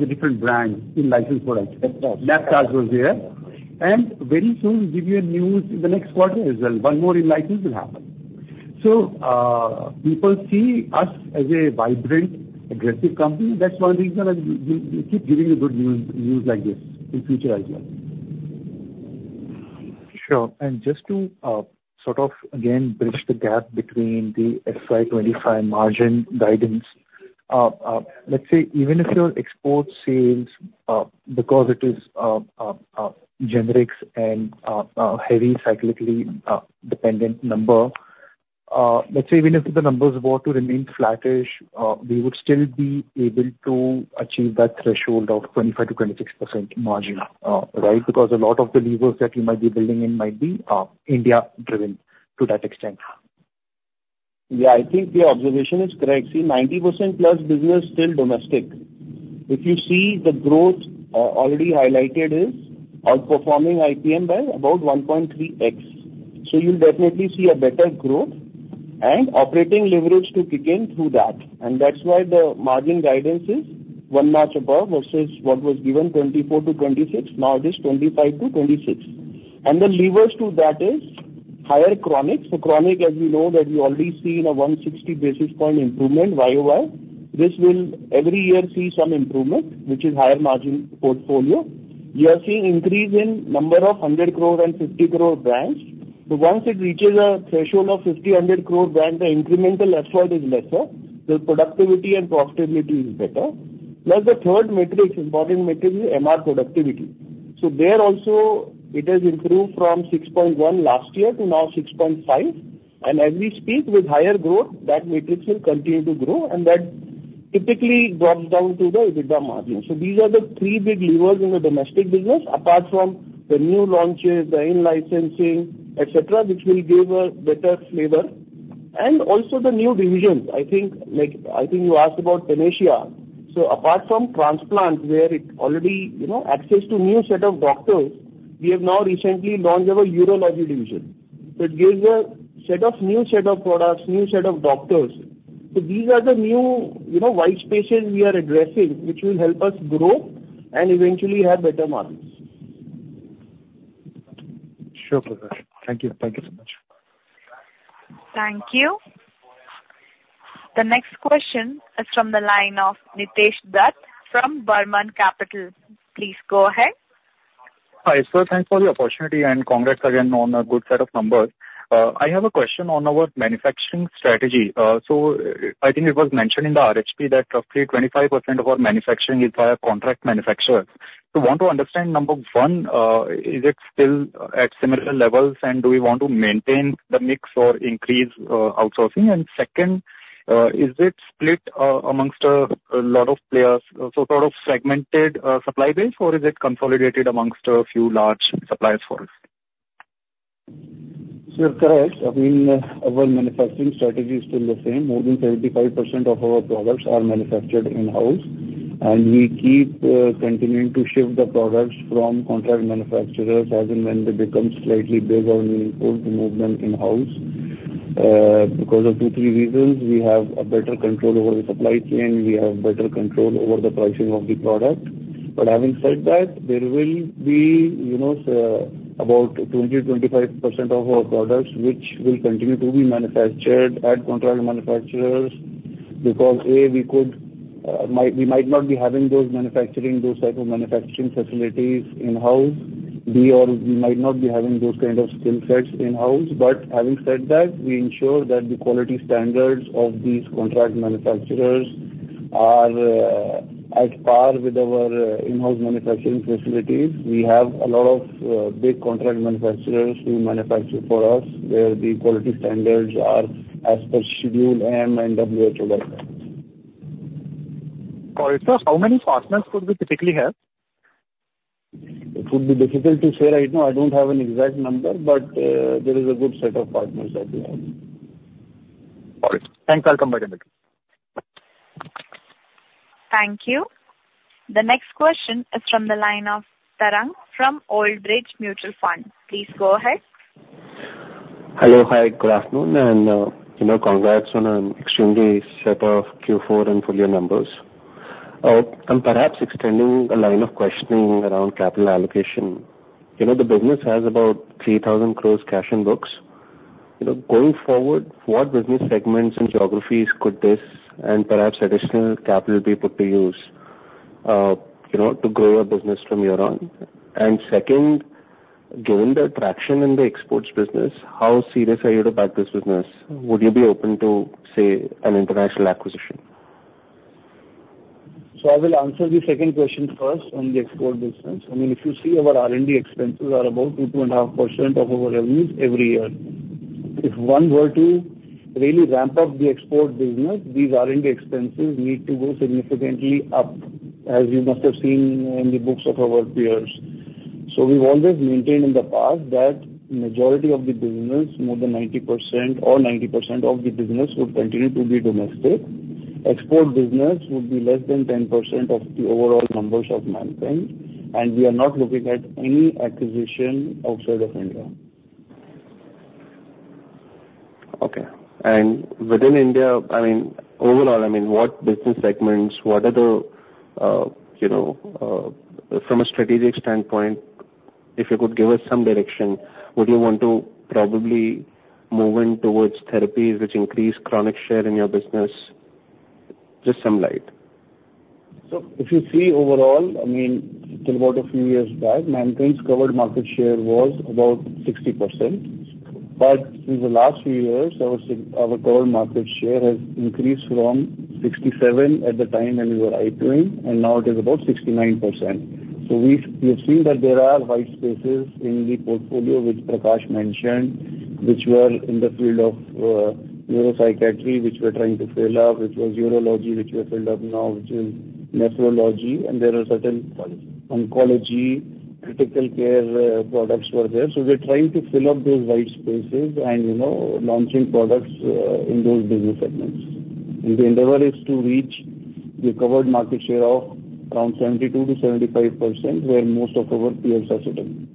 a different brand in-licensed product. Last year was there, and very soon, we give you a news in the next quarter as well. One more in-license will happen. So, people see us as a vibrant, aggressive company. That's one reason that we keep giving you good news like this in future as well. Sure. And just to, sort of again, bridge the gap between the FY 2025 margin guidance. Let's say, even if your export sales, because it is, generics and, heavy cyclically, dependent number, let's say even if the numbers were to remain flattish, we would still be able to achieve that threshold of 25%-26% margin, right? Because a lot of the levers that you might be building in might be, India-driven to that extent. Yeah, I think your observation is correct. See, 90%+ business is still domestic. If you see the growth already highlighted, is outperforming IPM by about 1.3x. So you'll definitely see a better growth and operating leverage to kick in through that. That's why the margin guidance is one notch above, versus what was given, 24%-26%, now it is 25%-26%. The levers to that is higher chronic. So chronic, as we know, that we already see in a 160 basis points improvement YoY. This will every year see some improvement, which is higher margin portfolio. We are seeing increase in number of 100 crore and 50 crore brands. So once it reaches a threshold of 50 crore, 100 crore brand, the incremental effort is lesser, the productivity and profitability is better. Plus, the third metric, important metric, is MR productivity. So there also it has improved from 6.1 last year to now 6.5, and as we speak, with higher growth, that matrix will continue to grow, and that typically drops down to the EBITDA margin. So these are the three big levers in the domestic business, apart from the new launches, the in-licensing, et cetera, which will give a better flavor. And also the new divisions, I think, like, I think you asked about Panacea. So apart from transplant, where it already, you know, access to new set of doctors, we have now recently launched our urology division. So it gives a set of, new set of products, new set of doctors. So these are the new, you know, white spaces we are addressing, which will help us grow and eventually have better margins. Sure, Prashant. Thank you. Thank you so much. Thank you. The next question is from the line of Nitesh Dutt, from Burman Capital. Please go ahead. Hi, sir, thanks for the opportunity, and congrats again on a good set of numbers. I have a question on our manufacturing strategy. So I think it was mentioned in the RHP that roughly 25% of our manufacturing is by a contract manufacturer. So want to understand, number one, is it still at similar levels, and do we want to maintain the mix or increase outsourcing? And second, is it split amongst a lot of players, so sort of segmented supply base, or is it consolidated amongst a few large suppliers for us? So correct. I mean, our manufacturing strategy is still the same. More than 35% of our products are manufactured in-house, and we keep continuing to shift the products from contract manufacturers as and when they become slightly big or meaningful to move them in-house. Because of 2-3 reasons, we have a better control over the supply chain, we have better control over the pricing of the product. But having said that, there will be, you know, about 20%-25% of our products, which will continue to be manufactured at contract manufacturers, because, A, we might not be having those type of manufacturing facilities in-house. B, or we might not be having those kind of skill sets in-house. But having said that, we ensure that the quality standards of these contract manufacturers are at par with our in-house manufacturing facilities. We have a lot of big contract manufacturers who manufacture for us, where the quality standards are as per Schedule M and WHO guidelines. All right. So how many partners could we typically have? It would be difficult to say right now. I don't have an exact number, but, there is a good set of partners that we have. All right. Thanks, I'll come back in a bit. Thank you. The next question is from the line of Tarang from Oldbridge Mutual Fund. Please go ahead. Hello. Hi, good afternoon, and, you know, congrats on an extremely set of Q4 and full year numbers. I'm perhaps extending a line of questioning around capital allocation. You know, the business has about 3,000 crore cash in books. You know, going forward, what business segments and geographies could this and perhaps additional capital be put to use, you know, to grow your business from here on? And second, given the traction in the exports business, how serious are you about this business? Would you be open to, say, an international acquisition? So I will answer the second question first on the export business. I mean, if you see our R&D expenses are about 2%-2.5% of our revenues every year. If one were to really ramp up the export business, these R&D expenses need to go significantly up, as you must have seen in the books of our peers. So we've always maintained in the past that majority of the business, more than 90% or 90% of the business, would continue to be domestic. Export business would be less than 10% of the overall numbers of Mankind, and we are not looking at any acquisition outside of India. Okay. And within India, I mean, overall, I mean, what business segments, what are the, you know, from a strategic standpoint, if you could give us some direction, would you want to probably moving towards therapies which increase chronic share in your business? Just some light. So if you see overall, I mean, till about a few years back, Mankind's covered market share was about 60%. But in the last few years, our total market share has increased from 67% at the time when we were IPOing, and now it is about 69%. So we've, we have seen that there are white spaces in the portfolio, which Prakash mentioned, which were in the field of neuropsychiatry, which we're trying to fill up, which was urology, which we have filled up now, which is nephrology, and there are certain oncology, critical care products were there. So we are trying to fill up those white spaces and, you know, launching products in those business segments. And the endeavor is to reach the covered market share of around 72%-75%, where most of our peers are sitting.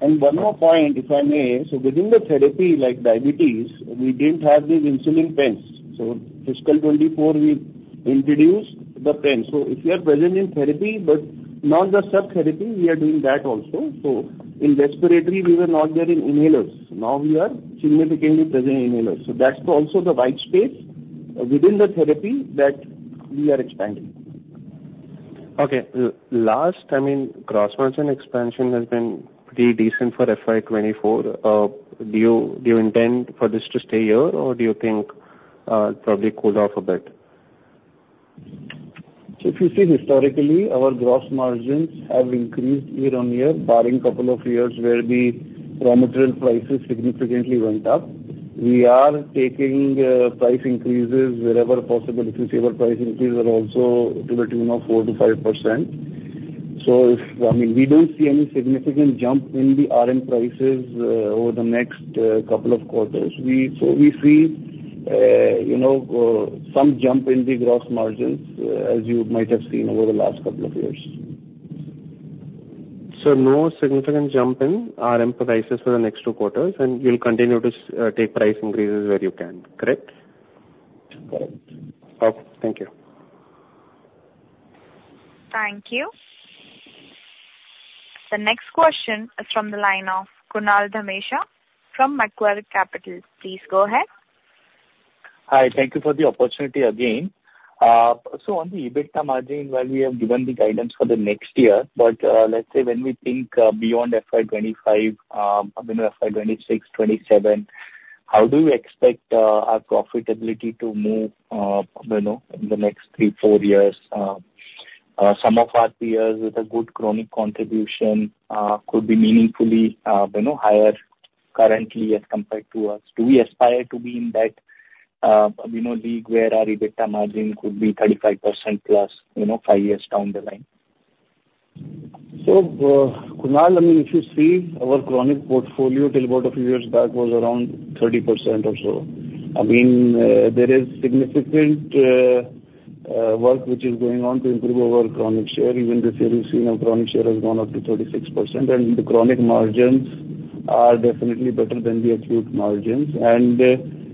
One more point, if I may. So within the therapy like diabetes, we didn't have these insulin pens. So fiscal 2024, we introduced the pen. So if we are present in therapy, but not the sub therapy, we are doing that also. So in respiratory, we were not there in inhalers. Now we are significantly present in inhalers. So that's also the white space within the therapy that we are expanding. Okay. Last, I mean, gross margin expansion has been pretty decent for FY 2024. Do you, do you intend for this to stay here, or do you think it'll probably cool off a bit? So if you see historically, our gross margins have increased year-on-year, barring couple of years, where the raw material prices significantly went up. We are taking price increases wherever possible. If you see our price increases are also to the tune of 4%-5%. I mean, we don't see any significant jump in the RM prices over the next couple of quarters. We, so we see you know some jump in the gross margins as you might have seen over the last couple of years. So no significant jump in RM prices for the next two quarters, and you'll continue to take price increases where you can, correct? Correct. Okay, thank you. Thank you. The next question is from the line of Kunal Dhamesha from Macquarie Capital. Please go ahead. Hi. Thank you for the opportunity again. So on the EBITDA margin, while we have given the guidance for the next year, but, let's say when we think, beyond FY 2025, you know, FY 2026, 2027, how do you expect, our profitability to move, you know, in the next three, four years? Some of our peers with a good chronic contribution, could be meaningfully, you know, higher currently as compared to us. Do we aspire to be in that, you know, league where our EBITDA margin could be 35%+, you know, five years down the line? So, Kunal, I mean, if you see, our chronic portfolio till about a few years back was around 30% or so. I mean, there is significant work which is going on to improve our chronic share. Even this year, we've seen our chronic share has gone up to 36%, and the chronic margins are definitely better than the acute margins. And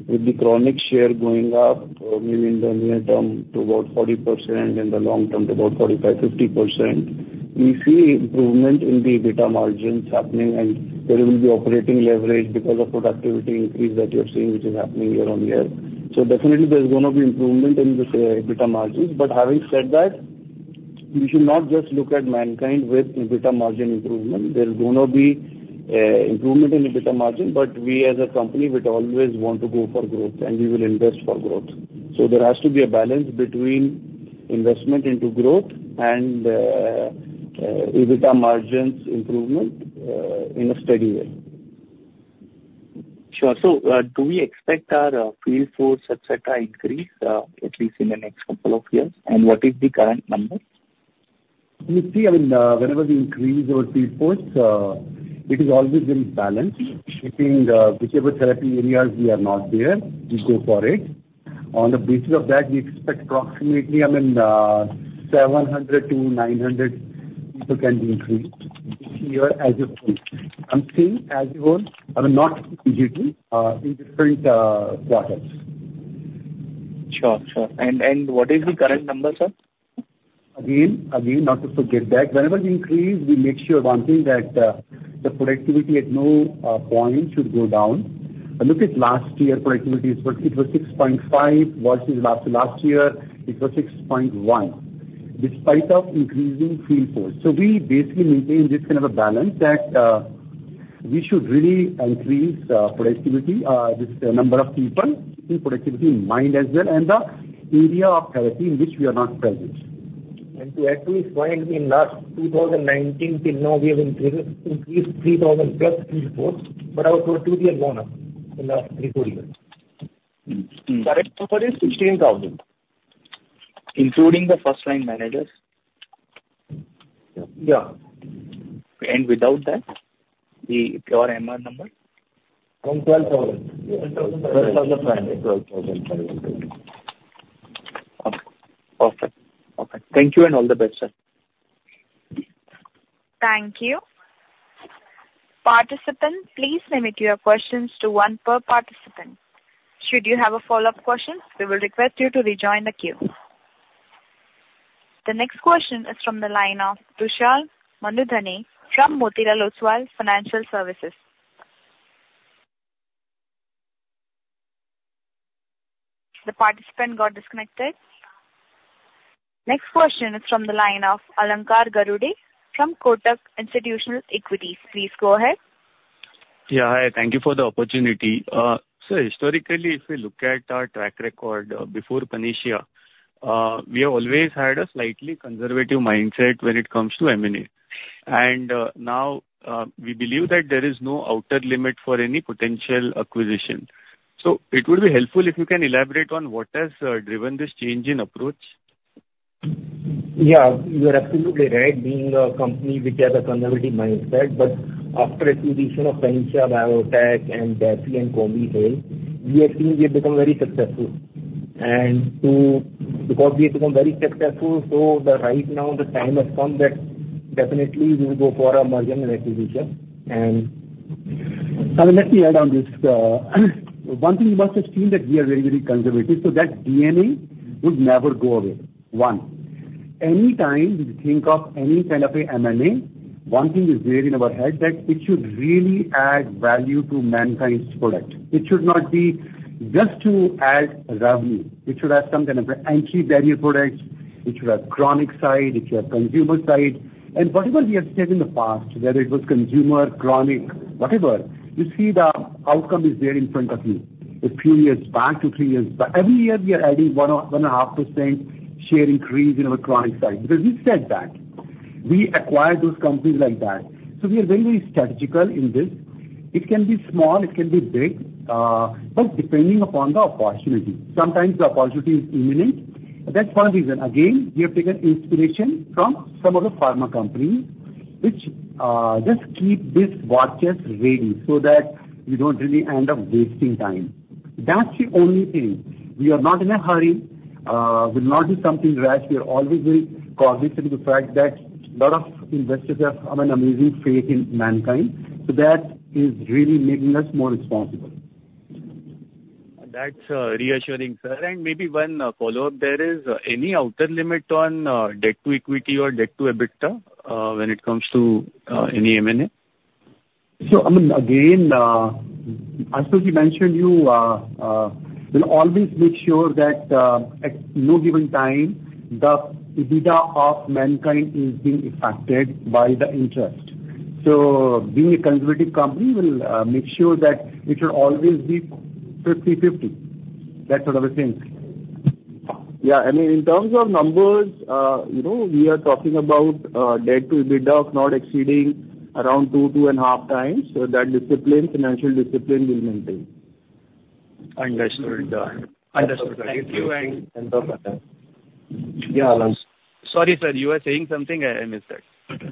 with the chronic share going up, maybe in the near term to about 40%, in the long term, to about 45%-50%, we see improvement in the EBITDA margins happening, and there will be operating leverage because of productivity increase that you're seeing, which is happening year-on-year. So definitely there's gonna be improvement in this EBITDA margins. But having said that, you should not just look at Mankind with EBITDA margin improvement. There's gonna be improvement in EBITDA margin, but we, as a company, would always want to go for growth, and we will invest for growth. There has to be a balance between investment into growth and EBITDA margins improvement in a steady way. Sure. So, do we expect our field force et cetera, increase, at least in the next couple of years? And what is the current number? You see, I mean, whenever we increase our field force, it is always in balance between whichever therapy areas we are not there, we go for it. On the basis of that, we expect approximately, I mean, 700-900 people can be increased this year as of now. I'm saying as you go, I mean, not in different quarters. Sure, sure. And what is the current number, sir? Again, again, not to forget that whenever we increase, we make sure one thing, that, the productivity at no point should go down. And look at last year, productivity it was, it was 6.5 versus last to last year, it was 6.1, despite of increasing field force. So we basically maintain this kind of a balance that, we should really increase, productivity, this number of people, keeping productivity in mind as well, and the area of therapy in which we are not present. And to actually find in last 2019 till now, we have increased, increased 3,000+ field force, but our productivity has gone up in the last three four years. Current number is 16,000. Including the first line managers? Yeah. Without that, the pure MR number? Around 12,000. 12,500. 12,500. Okay. Perfect. Okay. Thank you, and all the best, sir. Thank you. Participants, please limit your questions to one per participant. Should you have a follow-up question, we will request you to rejoin the queue. The next question is from the line of Tushar Manudhane from Motilal Oswal Financial Services. The participant got disconnected. Next question is from the line of Alankar Garude from Kotak Institutional Equities. Please go ahead. Yeah, hi. Thank you for the opportunity. So historically, if we look at our track record before Panacea, we have always had a slightly conservative mindset when it comes to M&A. And now, we believe that there is no outer limit for any potential acquisition. So it would be helpful if you can elaborate on what has driven this change in approach? Yeah, you are absolutely right. Being a company, we have a conservative mindset, but after acquisition of Panacea Biotec and Daffy and Combihale, we have seen we have become very successful. And because we have become very successful, so right now, the time has come that definitely we will go for a merger and acquisition. And, I mean, let me add on this. One thing you must have seen that we are very, very conservative, so that DNA would never go away. One, anytime we think of any kind of a M&A, one thing is there in our head, that it should really add value to Mankind's product. It should not be just to add revenue, it should add some kind of an entry barrier product. It should have chronic side, it should have consumer side. Whatever we have said in the past, whether it was consumer, chronic, whatever, you see the outcome is there in front of you, a few years back to three years. But every year we are adding 1% or 1.5% share increase in our chronic side, because we said that. We acquired those companies like that. So we are very, very strategical in this. It can be small, it can be big, but depending upon the opportunity, sometimes the opportunity is imminent. That's one reason. Again, we have taken inspiration from some of the pharma companies which just keep this watches ready so that we don't really end up wasting time. That's the only thing. We are not in a hurry, we'll not do something rash. We are always very cautious with the fact that a lot of investors have an amazing faith in Mankind, so that is really making us more responsible. That's reassuring, sir. And maybe one follow-up there. Is any outer limit on debt to equity or debt to EBITDA when it comes to any M&A? So, I mean, again, as we mentioned, we'll always make sure that, at no given time, the EBITDA of Mankind is being affected by the interest. So being a conservative company, we'll make sure that it should always be 50/50. That sort of a thing. Yeah, I mean, in terms of numbers, you know, we are talking about, debt to EBITDA not exceeding around 2x-2.5x. So that discipline, financial discipline, we'll maintain. Understood, understood. Thank you. Thank you and- Yeah, Alankar. Sorry, sir, you were saying something? I missed that.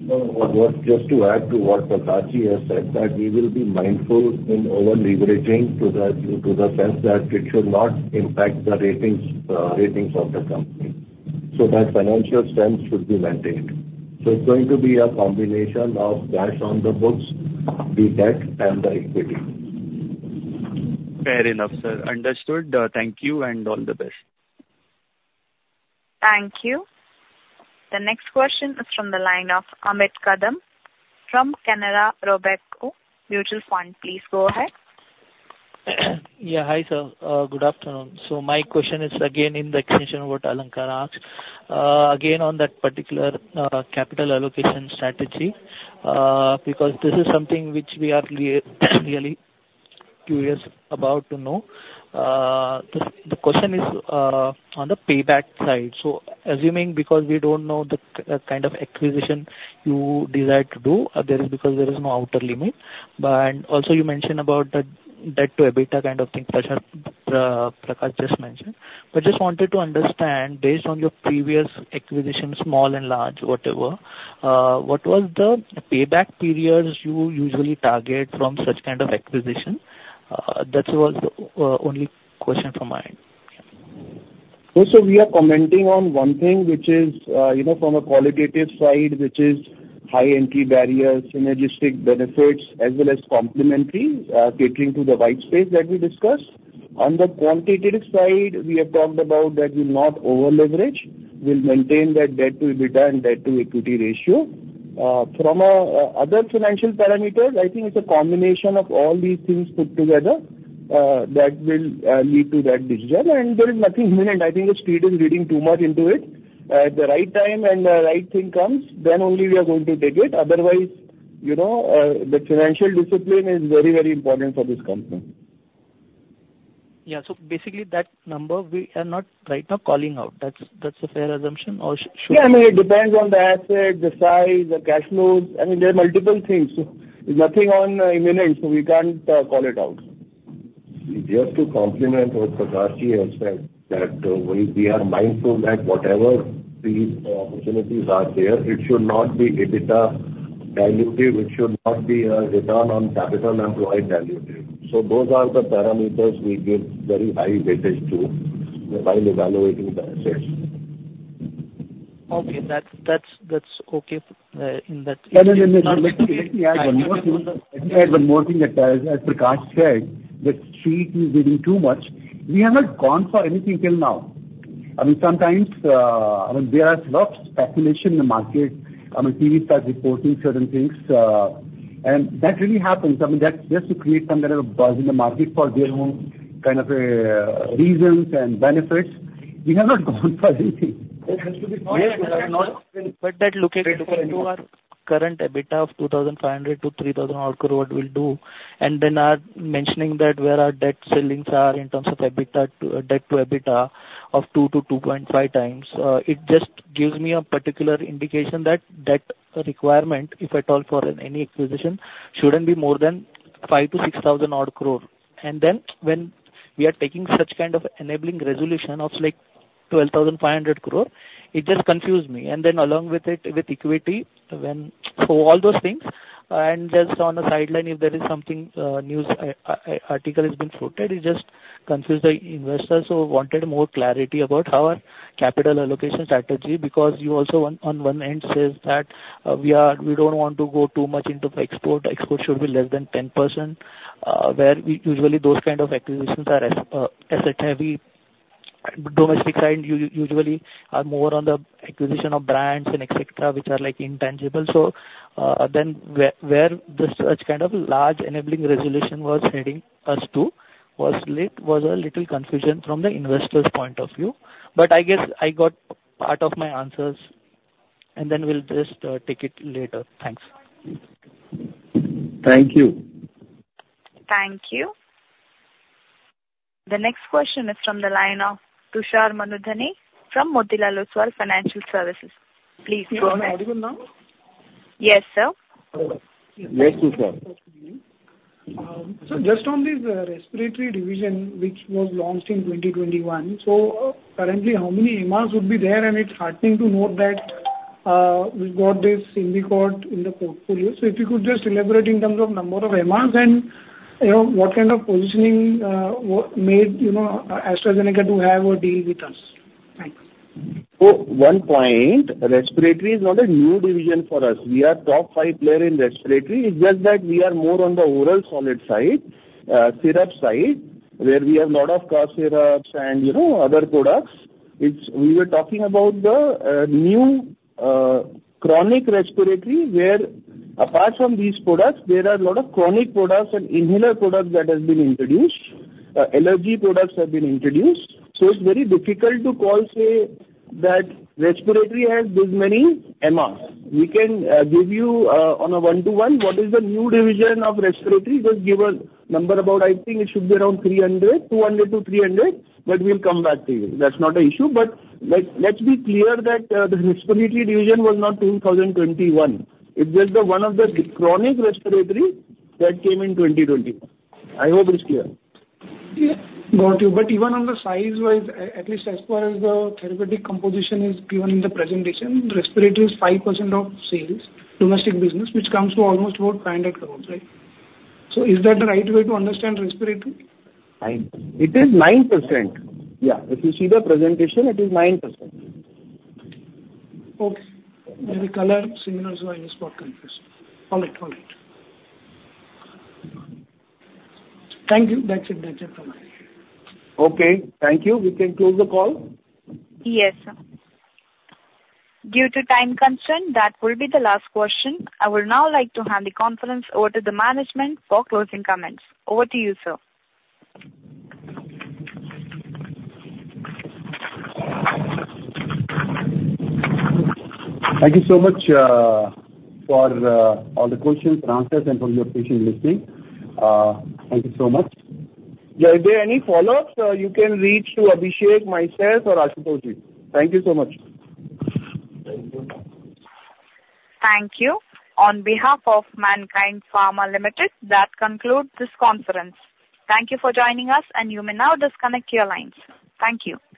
No, just to add to what Prakash Ji has said, that we will be mindful in over-leveraging to the sense that it should not impact the ratings of the company. So that financial strength should be maintained. So it's going to be a combination of cash on the books, the debt, and the equity. Fair enough, sir. Understood. Thank you and all the best. Thank you. The next question is from the line of Amit Kadam from Canara Robeco Mutual Fund. Please go ahead. Yeah, hi, sir. Good afternoon. So my question is again in the extension what Alankar asked, again, on that particular capital allocation strategy, because this is something which we are really curious about to know. The question is on the payback side. So assuming, because we don't know the kind of acquisition you desire to do, there is no outer limit. But also you mentioned about the debt to EBITDA kind of thing, Prakash just mentioned. But just wanted to understand, based on your previous acquisitions, small and large, whatever, what was the payback periods you usually target from such kind of acquisition? That was the only question from my end. So we are commenting on one thing, which is, you know, from a qualitative side, which is high entry barriers, synergistic benefits, as well as complementary, catering to the white space that we discussed. On the quantitative side, we have talked about that we'll not over-leverage. We'll maintain that debt to EBITDA and debt to equity ratio. From a, other financial parameters, I think it's a combination of all these things put together, that will lead to that decision. There is nothing imminent. I think the street is reading too much into it. At the right time and the right thing comes, then only we are going to take it. Otherwise, you know, the financial discipline is very, very important for this company. Yeah. So basically, that number we are not right now calling out. That's, that's a fair assumption, or should- Yeah, I mean, it depends on the asset, the size, the cash flows. I mean, there are multiple things. Nothing on imminent, so we can't call it out. Just to complement what Prakashji has said, that we, we are mindful that whatever these opportunities are there, it should not be EBITDA dilutive, it should not be return on capital and profit dilutive. So those are the parameters we give very high weightage to while evaluating the assets. Okay. That's okay, in that case. No, no, no, no. Let me add one more thing, that as Prakash said, the street is reading too much. We have not gone for anything till now. I mean, sometimes, I mean, there are a lot of speculation in the market. I mean, TV starts reporting certain things, and that really happens. I mean, that's just to create some kind of a buzz in the market for their own kind of reasons and benefits. We have not gone for anything. But that looking to our current EBITDA of 2,500 crore-3,000 odd crore will do, and then are mentioning that where our debt ceilings are in terms of EBITDA to debt to EBITDA of 2x-2.5x. It just gives me a particular indication that debt requirement, if at all for any acquisition, shouldn't be more than 5,000-6,000 odd crore. And then when we are taking such kind of enabling resolution of, like, 12,500 crore, it just confused me. And then along with it, with equity. So all those things, and just on a sideline, if there is something, news article is being floated, it just confuse the investors. So wanted more clarity about our capital allocation strategy, because you also on one end says that we don't want to go too much into export. Export should be less than 10%, where usually those kind of acquisitions are asset-heavy. Domestic side usually are more on the acquisition of brands and et cetera, which are, like, intangible. So then where this such kind of large enabling resolution was heading us to was a little confusion from the investor's point of view. But I guess I got part of my answers, and then we'll just take it later. Thanks. Thank you. Thank you. The next question is from the line of Tushar Manudhane from Motilal Oswal Financial Services. Please go ahead. Am I audible now? Yes, sir. Yes, Tushar. So just on this respiratory division, which was launched in 2021, so currently, how many MRs would be there? And it's heartening to note that we've got this Symbicort in the portfolio. So if you could just elaborate in terms of number of MRs and, you know, what kind of positioning, what made, you know, AstraZeneca to have a deal with us? Thanks. So one point, respiratory is not a new division for us. We are top five player in respiratory. It's just that we are more on the oral solid side, syrup side, where we have a lot of cough syrups and, you know, other products. It's. We were talking about the new chronic respiratory, where apart from these products, there are a lot of chronic products and inhaler products that has been introduced, allergy products have been introduced. So it's very difficult to call, say, that respiratory has this many MRs. We can give you on a 1:1, what is the new division of respiratory? Just give a number about. I think it should be around 300, 200-300, but we'll come back to you. That's not an issue. But let's be clear that the respiratory division was not 2021. It's just the one of the chronic respiratory that came in 2021. I hope it's clear. Yeah. Got you. But even on the size-wise, at least as far as the therapeutic composition is given in the presentation, respiratory is 5% of sales, domestic business, which comes to almost about 500 crore, right? So is that the right way to understand respiratory? 5%. It is 9%. Yeah, if you see the presentation, it is 9%. Okay. Maybe color signals-wise, it got confused. All right. All right. Thank you. That's it. That's it from my end. Okay, thank you. We can close the call? Yes, sir. Due to time constraint, that will be the last question. I would now like to hand the conference over to the management for closing comments. Over to you, sir. Thank you so much, for all the questions and answers and for your patient listening. Thank you so much. Yeah, if there are any follow-ups, you can reach to Abhishek, myself, or Ashutosh Ji. Thank you so much. Thank you. Thank you. On behalf of Mankind Pharma Limited, that concludes this conference. Thank you for joining us, and you may now disconnect your lines. Thank you.